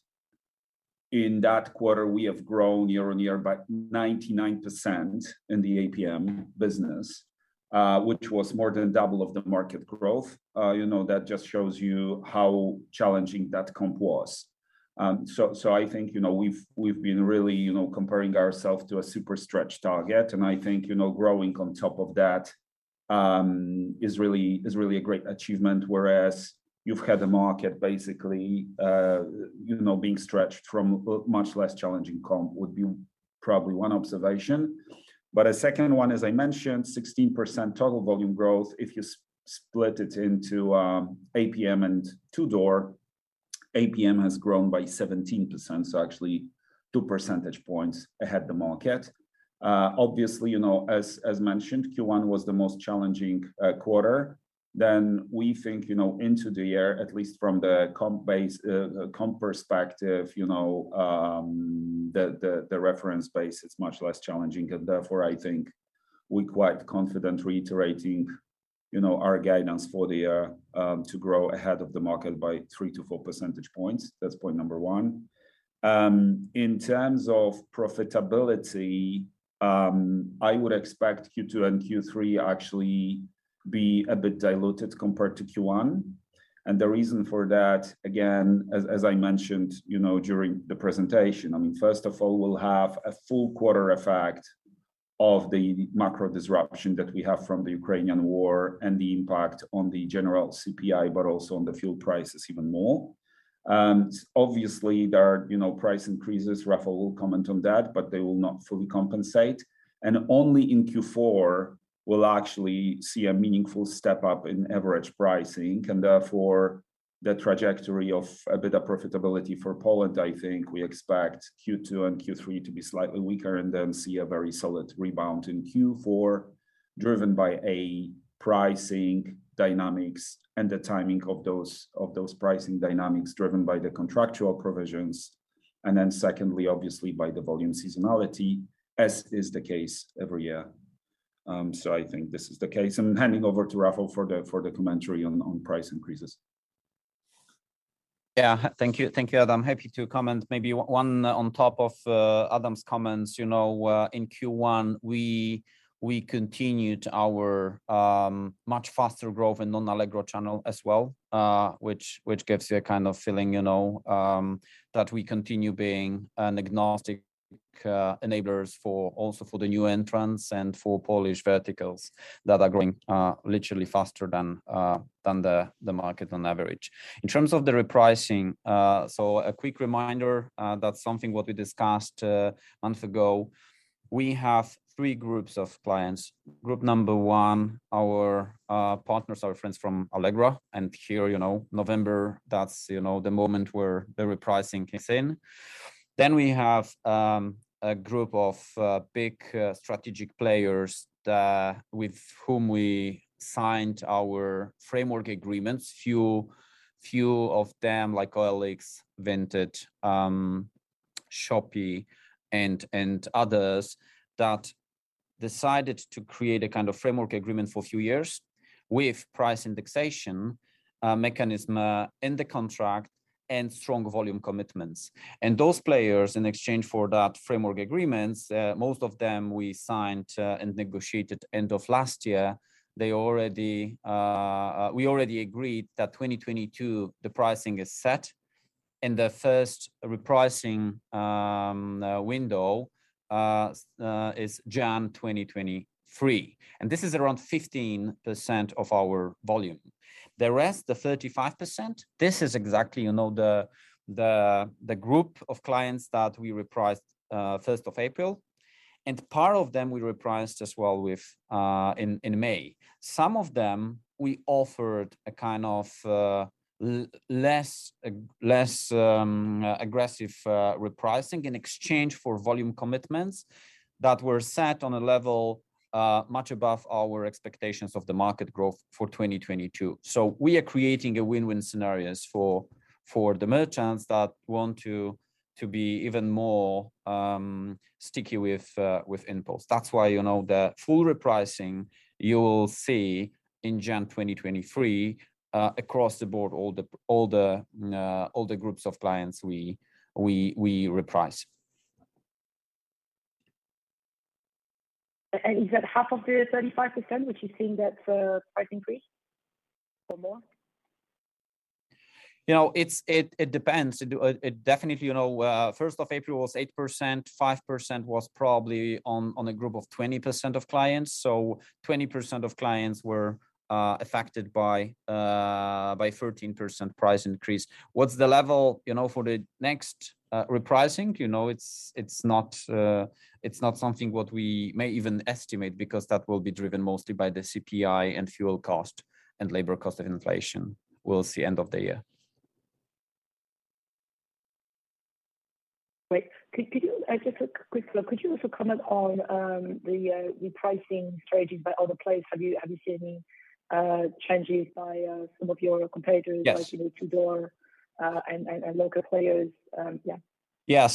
in that quarter we have grown year-on-year by 99% in the APM business, which was more than double of the market growth. You know, that just shows you how challenging that comp was. I think, you know, we've been really, you know, comparing ourselves to a super stretched target, and I think, you know, growing on top of that is really a great achievement, whereas you've had the market basically, you know, being stretched from a much less challenging comp would be probably one observation. A second one, as I mentioned, 16% total volume growth. If you split it into APM and door, APM has grown by 17%, so actually two percentage points ahead the market. Obviously, you know, as mentioned, Q1 was the most challenging quarter. We think, you know, into the year, at least from the comp base, comp perspective, you know, the reference base is much less challenging. Therefore, I think we're quite confident reiterating, you know, our guidance for the year, to grow ahead of the market by 3-4 percentage points. That's point number one. In terms of profitability, I would expect Q2 and Q3 actually be a bit diluted compared to Q1. The reason for that, again, as I mentioned, you know, during the presentation, I mean, first of all, we'll have a full quarter effect of the macro disruption that we have from the Ukrainian war and the impact on the general CPI, but also on the fuel prices even more. Obviously, there are, you know, price increases. Rafał will comment on that, but they will not fully compensate. Only in Q4 we'll actually see a meaningful step-up in average pricing. Therefore, the trajectory of EBITDA profitability for Poland, I think we expect Q2 and Q3 to be slightly weaker and then see a very solid rebound in Q4, driven by, A, pricing dynamics and the timing of those pricing dynamics driven by the contractual provisions, and then secondly, obviously by the volume seasonality, as is the case every year. I think this is the case. I'm handing over to Rafał for the commentary on price increases. Yeah. Thank you, Adam. Happy to comment. Maybe one on top of Adam's comments. You know, in Q1 we continued our much faster growth in non-Allegro channel as well, which gives you a kind of feeling, you know, that we continue being an agnostic enablers for also for the new entrants and for Polish verticals that are growing literally faster than the market on average. In terms of the repricing, a quick reminder, that's something that we discussed months ago. We have three groups of clients. Group number one, our partners, our friends from Allegro, and here, you know, November, that's the moment where the repricing kicks in. Then we have a group of big strategic players with whom we signed our framework agreements. Few of them, like OLX, Vinted, Shopee, and others that decided to create a kind of framework agreement for a few years with price indexation mechanism in the contract and strong volume commitments. Those players, in exchange for that framework agreements, most of them we signed and negotiated end of last year. We already agreed that 2022 the pricing is set. In the first repricing window is January 2023, and this is around 15% of our volume. The rest, the 35%, this is exactly, you know, the group of clients that we repriced first of April, and part of them we repriced as well with in May. Some of them we offered a kind of less aggressive repricing in exchange for volume commitments that were set on a level much above our expectations of the market growth for 2022. We are creating win-win scenarios for the merchants that want to be even more sticky with InPost. That's why, you know, the full repricing you will see in January 2023, across the board, all the groups of clients we reprice. Is that half of the 35% which you're seeing that price increase or more? You know, it depends. It definitely, you know, first of April was 8%, 5% was probably on a group of 20% of clients. 20% of clients were affected by 13% price increase. What's the level, you know, for the next repricing? You know, it's not something what we may even estimate because that will be driven mostly by the CPI and fuel cost and labor cost of inflation. We'll see end of the year. Great. Could you also comment on the repricing strategies by other players? Have you seen any changes by some of your competitors? Yes. Like, you know, to door, and local players? Yeah. Yeah.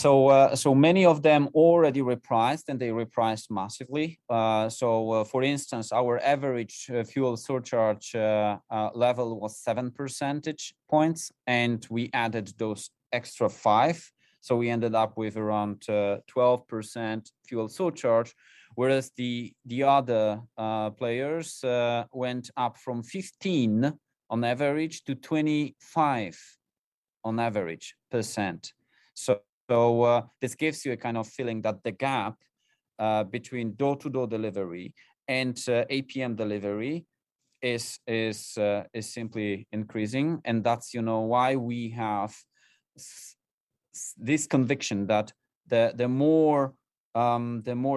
Many of them already repriced, and they repriced massively. For instance, our average fuel surcharge level was 7 percentage points, and we added those extra 5, so we ended up with around 12% fuel surcharge, whereas the other players went up from 15% on average to 25% on average. This gives you a kind of feeling that the gap between door-to-door delivery and APM delivery is simply increasing. That's, you know, why we have this conviction that the more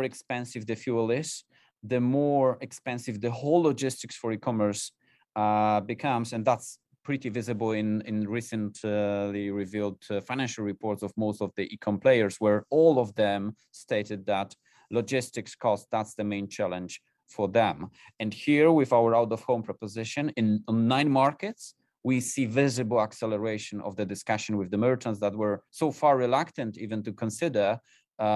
expensive the fuel is, the more expensive the whole logistics for e-commerce becomes. That's pretty visible in recently revealed financial reports of most of the e-com players, where all of them stated that logistics cost, that's the main challenge for them. Here with our out-of-home proposition in nine markets, we see visible acceleration of the discussion with the merchants that were so far reluctant even to consider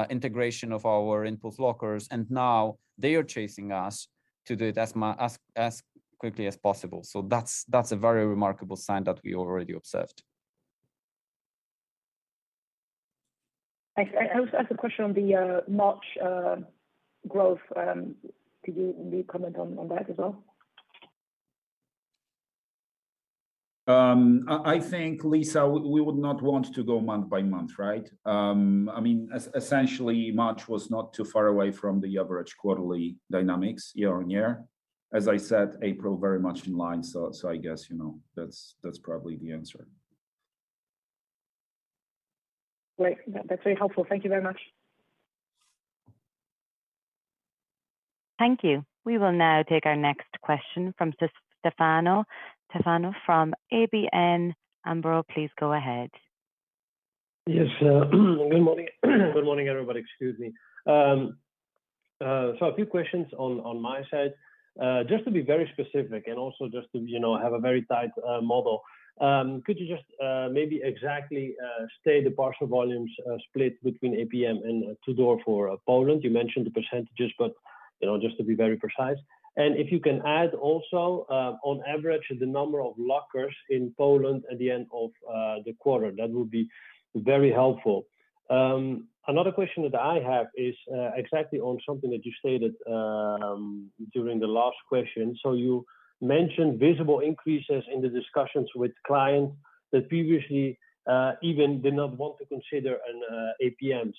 integration of our InPost lockers, and now they are chasing us to do it as quickly as possible. That's a very remarkable sign that we already observed. I also have a question on the March growth. Could you maybe comment on that as well? I think, Lisa, we would not want to go month-by-month, right? I mean, essentially, March was not too far away from the average quarterly dynamics year-on-year. As I said, April very much in line. I guess, you know, that's probably the answer. Great. That's very helpful. Thank you very much. Thank you. We will now take our next question from Stefano. Stefano from ABN AMRO, please go ahead. Yes. Good morning. Good morning, everybody. Excuse me. A few questions on my side. Just to be very specific and also just to, you know, have a very tight model, could you just maybe exactly state the parcel volumes split between APM and to door for Poland? You mentioned the percentages, but, you know, just to be very precise. And if you can add also on average the number of lockers in Poland at the end of the quarter, that would be very helpful. Another question that I have is exactly on something that you stated during the last question. You mentioned visible increases in the discussions with clients that previously even did not want to consider an APMs.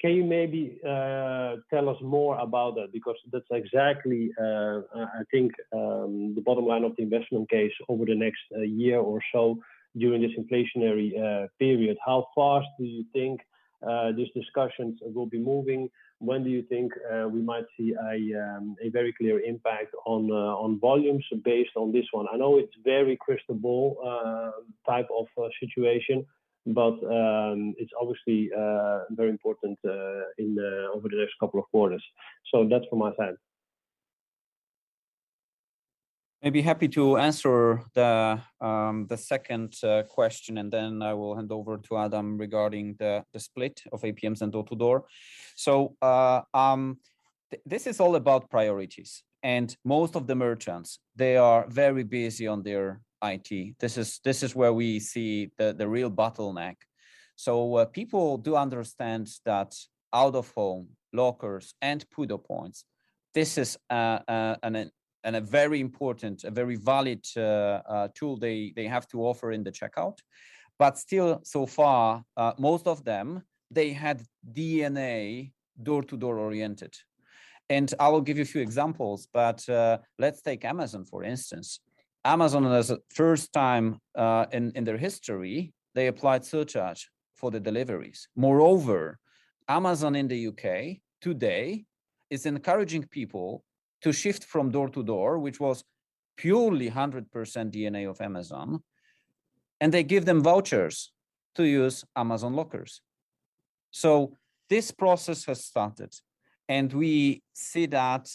Can you maybe tell us more about that? Because that's exactly, I think, the bottom line of the investment case over the next year or so during this inflationary period. How fast do you think these discussions will be moving? When do you think we might see a very clear impact on volumes based on this one? I know it's very crystal ball type of situation, but it's obviously very important over the next couple of quarters. That's from my side. I'd be happy to answer the second question, and then I will hand over to Adam regarding the split of APMs and door-to-door. This is all about priorities, and most of the merchants, they are very busy on their IT. This is where we see the real bottleneck. People do understand that out-of-home lockers and PUDO points, this is a very important, a very valid tool they have to offer in the checkout. Still so far, most of them, they had DNA door-to-door oriented. I will give you a few examples, but let's take Amazon, for instance. Amazon has for the first time in their history, they applied surcharge for the deliveries. Moreover, Amazon in the UK today is encouraging people to shift from door-to-door, which was purely 100% DNA of Amazon, and they give them vouchers to use Amazon lockers. This process has started, and we see that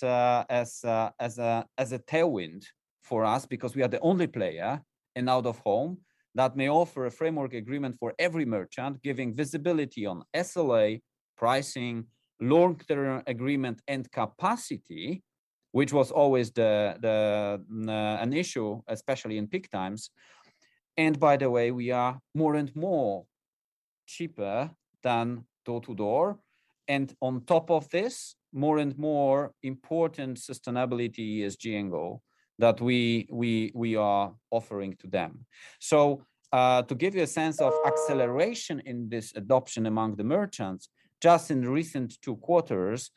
as a tailwind for us because we are the only player in out-of-home that may offer a framework agreement for every merchant, giving visibility on SLA, pricing, long-term agreement, and capacity, which was always an issue, especially in peak times. By the way, we are more and more cheaper than door-to-door. On top of this, more and more important sustainability ESG angle that we are offering to them. To give you a sense of acceleration in this adoption among the merchants, just in recent 2 quarters,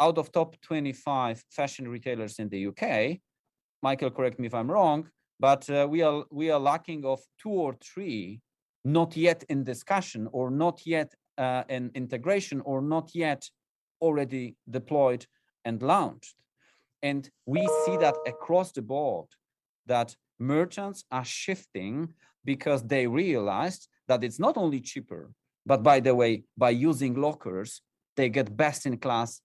out of top 25 fashion retailers in the U.K., Michael, correct me if I'm wrong, but we are lacking 2 or 3 not yet in discussion or not yet in integration or not yet already deployed and launched. We see that across the board that merchants are shifting because they realized that it's not only cheaper, but by the way, by using lockers, they get best in class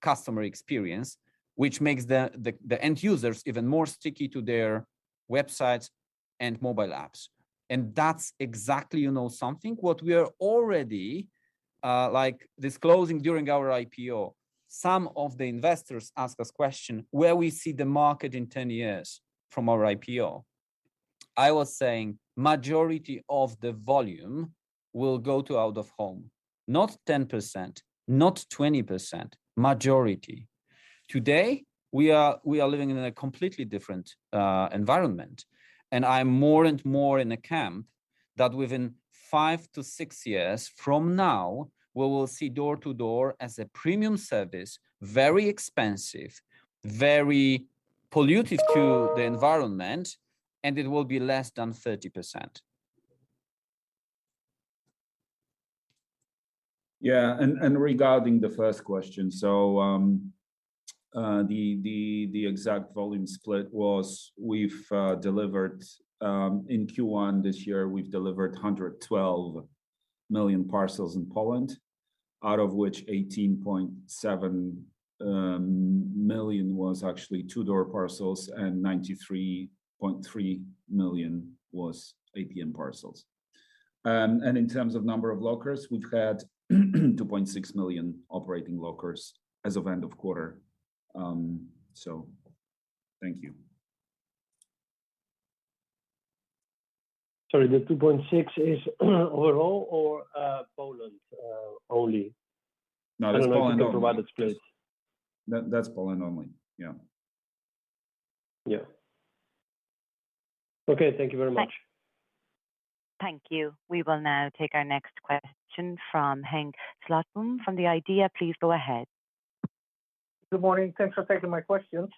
customer experience, which makes the end users even more sticky to their websites and mobile apps. That's exactly, you know, something what we are already like disclosing during our IPO. Some of the investors ask us question, where we see the market in 10 years from our IPO? I was saying majority of the volume will go to out-of-home. Not 10%, not 20%, majority. Today, we are living in a completely different environment, and I'm more and more in a camp that within 5-6 years from now, we will see door-to-door as a premium service, very expensive, very polluting to the environment, and it will be less than 30%. Yeah. Regarding the first question, the exact volume split was we've delivered in Q1 this year 112 million parcels in Poland, out of which 18.7 million was actually to door parcels, and 93.3 million was APM parcels. In terms of number of lockers, we've had 2.6 million operating lockers as of end of quarter. Thank you. Sorry, the 2.6 is overall or Poland only? No, that's Poland only. I don't know if you can provide the split. That's Poland only. Yeah. Yeah. Okay. Thank you very much. Thank you. We will now take our next question from Henk Slotboom from ODDO BHF. Please go ahead. Good morning. Thanks for taking my questions.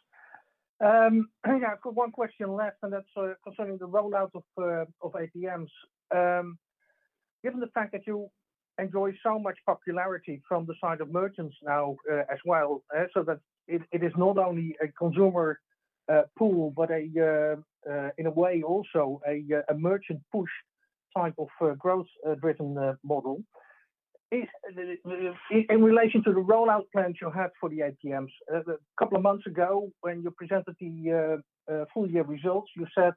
I've got one question left, and that's concerning the rollout of APMs. Given the fact that you enjoy so much popularity from the side of merchants now, as well, so that it is not only a consumer pool, but in a way also a merchant push type of growth driven model. In relation to the rollout plans you have for the APMs. A couple of months ago when you presented the full year results, you said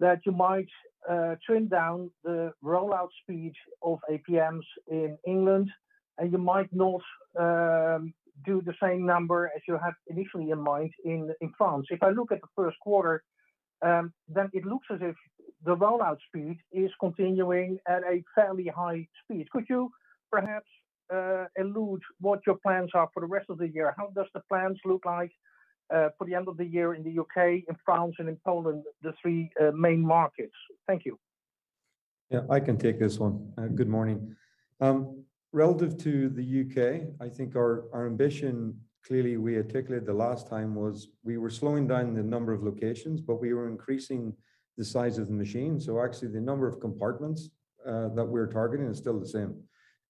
that you might trim down the rollout speed of APMs in England, and you might not do the same number as you had initially in mind in France. If I look at the Q1, then it looks as if the rollout speed is continuing at a fairly high speed. Could you perhaps allude what your plans are for the rest of the year? How does the plans look like for the end of the year in the UK and France and in Poland, the three main markets? Thank you. Yeah. I can take this one. Good morning. Relative to the UK, I think our ambition, clearly we articulated the last time, was we were slowing down the number of locations, but we were increasing the size of the machine. Actually the number of compartments that we're targeting is still the same.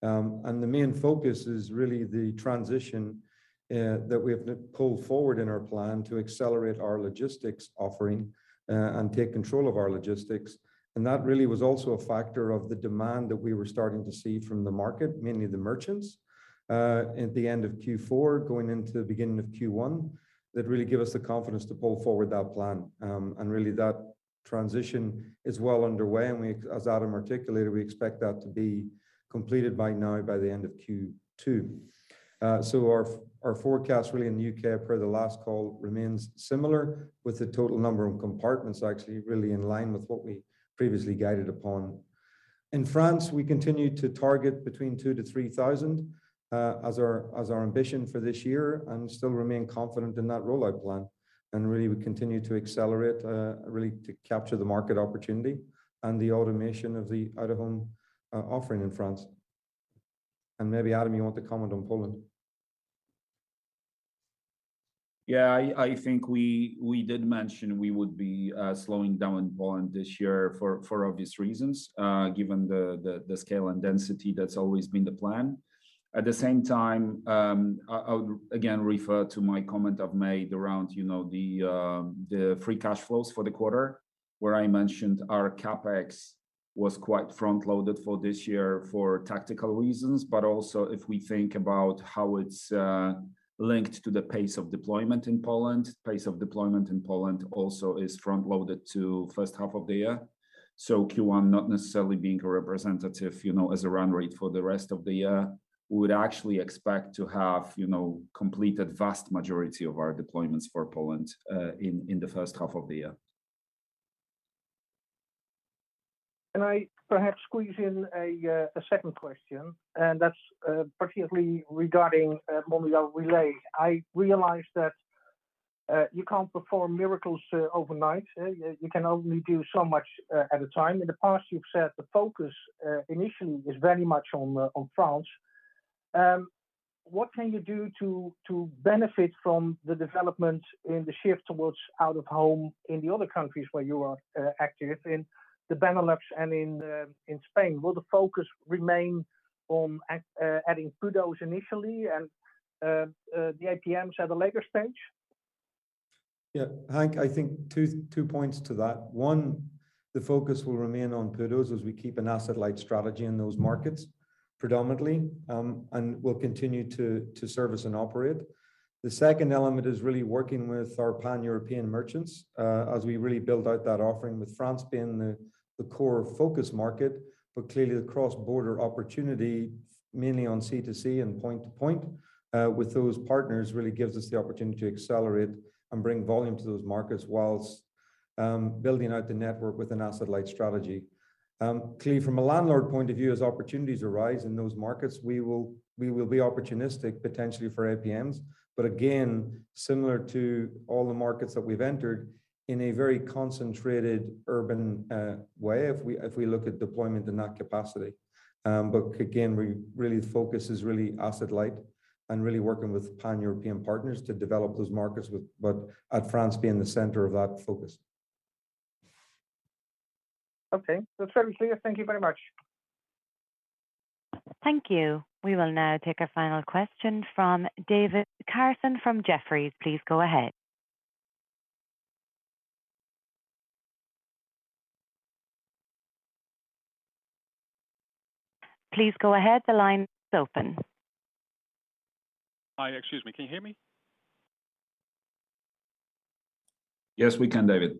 The main focus is really the transition that we have pulled forward in our plan to accelerate our logistics offering and take control of our logistics. That really was also a factor of the demand that we were starting to see from the market, mainly the merchants, at the end of Q4 going into the beginning of Q1, that really gave us the confidence to pull forward that plan. Really, that transition is well underway, and, as Adam articulated, we expect that to be completed by the end of Q2. Our forecast really in the UK per the last call remains similar with the total number of compartments actually really in line with what we previously guided upon. In France, we continue to target between 2-3 thousand as our ambition for this year and still remain confident in that rollout plan. We continue to accelerate really to capture the market opportunity and the automation of the out-of-home offering in France. Maybe Adam, you want to comment on Poland? Yeah. I think we did mention we would be slowing down in Poland this year for obvious reasons, given the scale and density that's always been the plan. At the same time, I would again refer to my comment I've made around, you know, the free cash flows for the quarter, where I mentioned our CapEx was quite front-loaded for this year for tactical reasons. Also if we think about how it's linked to the pace of deployment in Poland, the pace of deployment in Poland also is front-loaded to first half of the year. Q1 not necessarily being a representative, you know, as a run rate for the rest of the year. We would actually expect to have, you know, completed vast majority of our deployments for Poland in the first half of the year. Can I perhaps squeeze in a second question? That's particularly regarding Mondial Relay. I realize that you can't perform miracles overnight. You can only do so much at a time. In the past, you've said the focus initially is very much on France. What can you do to benefit from the development in the shift towards out-of-home in the other countries where you are active in the Benelux and in Spain? Will the focus remain on adding PUDOs initially and the APMs at a later stage? Yeah. Henk, I think two points to that. One, the focus will remain on PUDOs as we keep an asset-light strategy in those markets predominantly, and we'll continue to service and operate. The second element is really working with our pan-European merchants, as we really build out that offering with France being the core focus market. Clearly the cross-border opportunity, mainly on C2C and point-to-point, with those partners really gives us the opportunity to accelerate and bring volume to those markets while building out the network with an asset-light strategy. Clearly from a landlord point of view as opportunities arise in those markets, we will be opportunistic potentially for APMs, but again, similar to all the markets that we've entered in a very concentrated urban way if we look at deployment in that capacity. Again, our focus is really asset-light and really working with pan-European partners to develop those markets, with France being the center of that focus. Okay. That's very clear. Thank you very much. Thank you. We will now take our final question from David Kerstens from Jefferies. Please go ahead. Please go ahead. The line is open. Hi. Excuse me. Can you hear me? Yes, we can, David.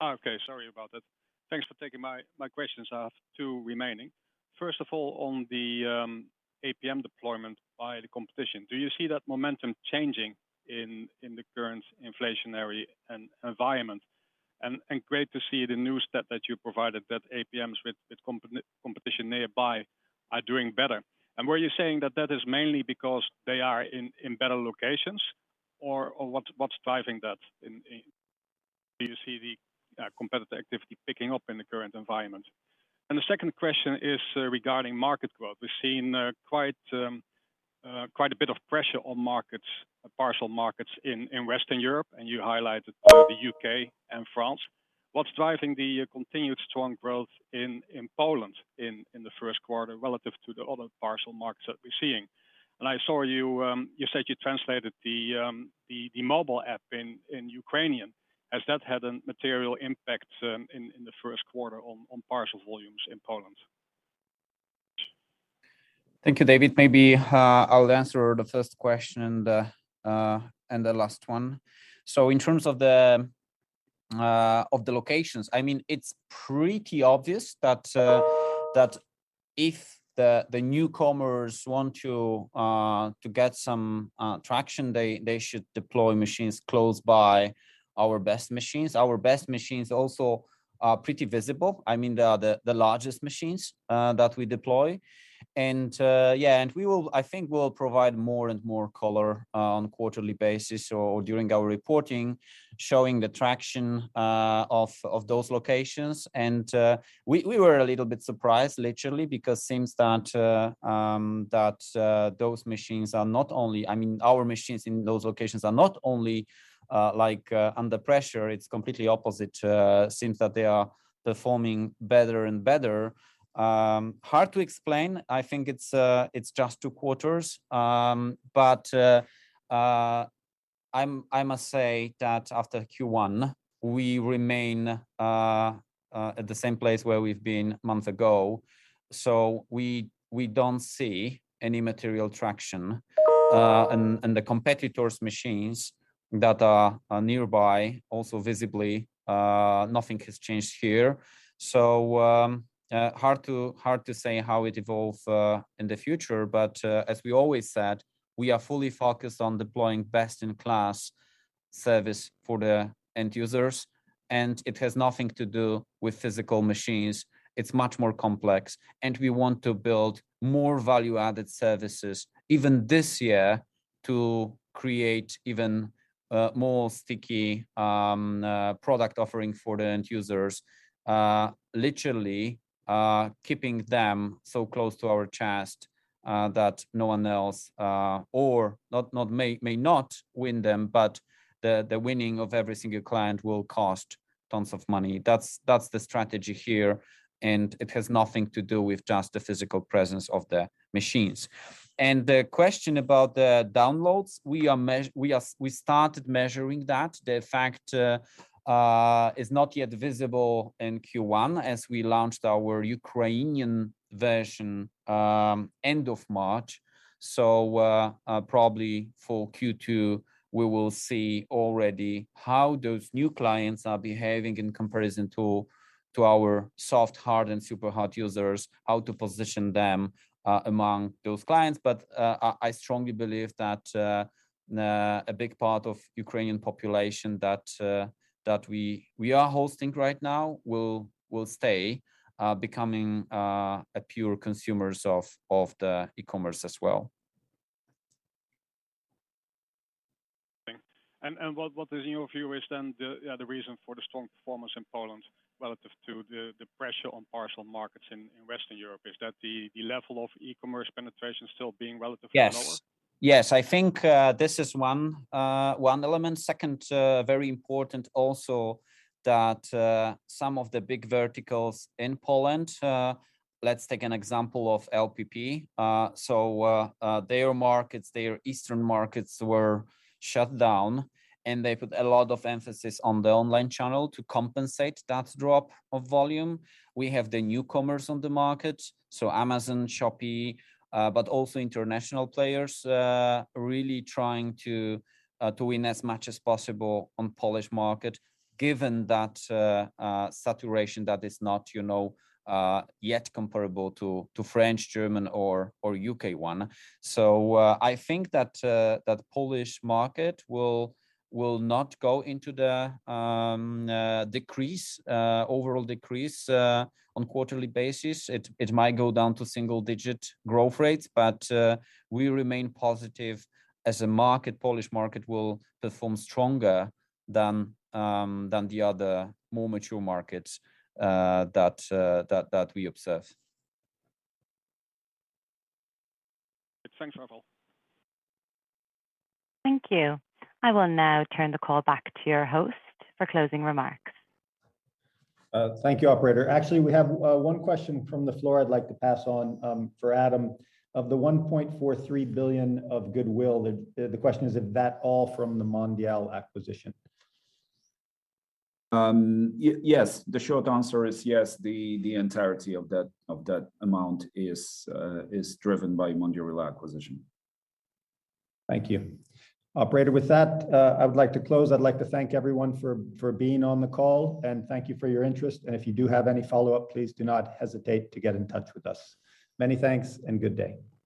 Oh. Okay. Sorry about that. Thanks for taking my questions. I have two remaining. First of all, on the APM deployment by the competition, do you see that momentum changing in the current inflationary environment? Great to see the new step that you provided that APMs with competition nearby are doing better. Were you saying that that is mainly because they are in better locations or what's driving that? Do you see the competitive activity picking up in the current environment? The second question is regarding market growth. We've seen quite a bit of pressure on parcel markets in Western Europe, and you highlighted the UK and France. What's driving the continued strong growth in Poland in the Q1 relative to the other parcel markets that we're seeing? I saw you said you translated the mobile app into Ukrainian. Has that had a material impact in the Q1 on parcel volumes in Poland? Thank you, David. Maybe I'll answer the first question and the last one. In terms of the locations, I mean, it's pretty obvious that if the newcomers want to get some traction, they should deploy machines close by our best machines. Our best machines also are pretty visible. I mean, they are the largest machines that we deploy. I think we'll provide more and more color on quarterly basis or during our reporting, showing the traction of those locations. We were a little bit surprised literally because seems that those machines are not only, I mean, our machines in those locations are not only like under pressure, it's completely opposite. Seems that they are performing better and better. Hard to explain. I think it's just Q2. I must say that after Q1, we remain at the same place where we've been month ago. We don't see any material traction. The competitors' machines that are nearby also visibly nothing has changed here. Hard to say how it evolve in the future. As we always said, we are fully focused on deploying best in class service for the end users, and it has nothing to do with physical machines. It's much more complex, and we want to build more value-added services even this year to create even more sticky product offering for the end users, literally keeping them so close to our chest that no one else or not may not win them, but the winning of every single client will cost tons of money. That's the strategy here, and it has nothing to do with just the physical presence of the machines. The question about the downloads, we started measuring that. The fact is not yet visible in Q1 as we launched our Ukrainian version end of March. Probably for Q2, we will see already how those new clients are behaving in comparison to our soft, hard, and super hard users, how to position them among those clients. I strongly believe that a big part of Ukrainian population that we are hosting right now will stay, becoming a pure consumers of the e-commerce as well. Thanks. What is, in your view, the reason for the strong performance in Poland relative to the pressure on parcel markets in Western Europe? Is that the level of e-commerce penetration still being relatively lower? Yes. Yes. I think this is one element. Second, very important also that some of the big verticals in Poland. Let's take an example of LPP. So, their eastern markets were shut down, and they put a lot of emphasis on the online channel to compensate that drop of volume. We have the newcomers on the market, so Amazon, Shopee, but also international players really trying to win as much as possible on Polish market, given that saturation that is not, you know, yet comparable to French, German or UK one. I think that Polish market will not go into the decrease, overall decrease, on quarterly basis. It might go down to single digit growth rates, but we remain positive as a market. Polish market will perform stronger than the other more mature markets that we observe. Thanks, Rafał. Thank you. I will now turn the call back to your host for closing remarks. Thank you, operator. Actually, we have one question from the floor I'd like to pass on for Adam. Of the 1.43 billion of goodwill, the question is that all from the Mondial acquisition? Yes. The short answer is yes, the entirety of that amount is driven by Mondial acquisition. Thank you. Operator, with that, I would like to close. I'd like to thank everyone for being on the call, and thank you for your interest. If you do have any follow-up, please do not hesitate to get in touch with us. Many thanks and good day.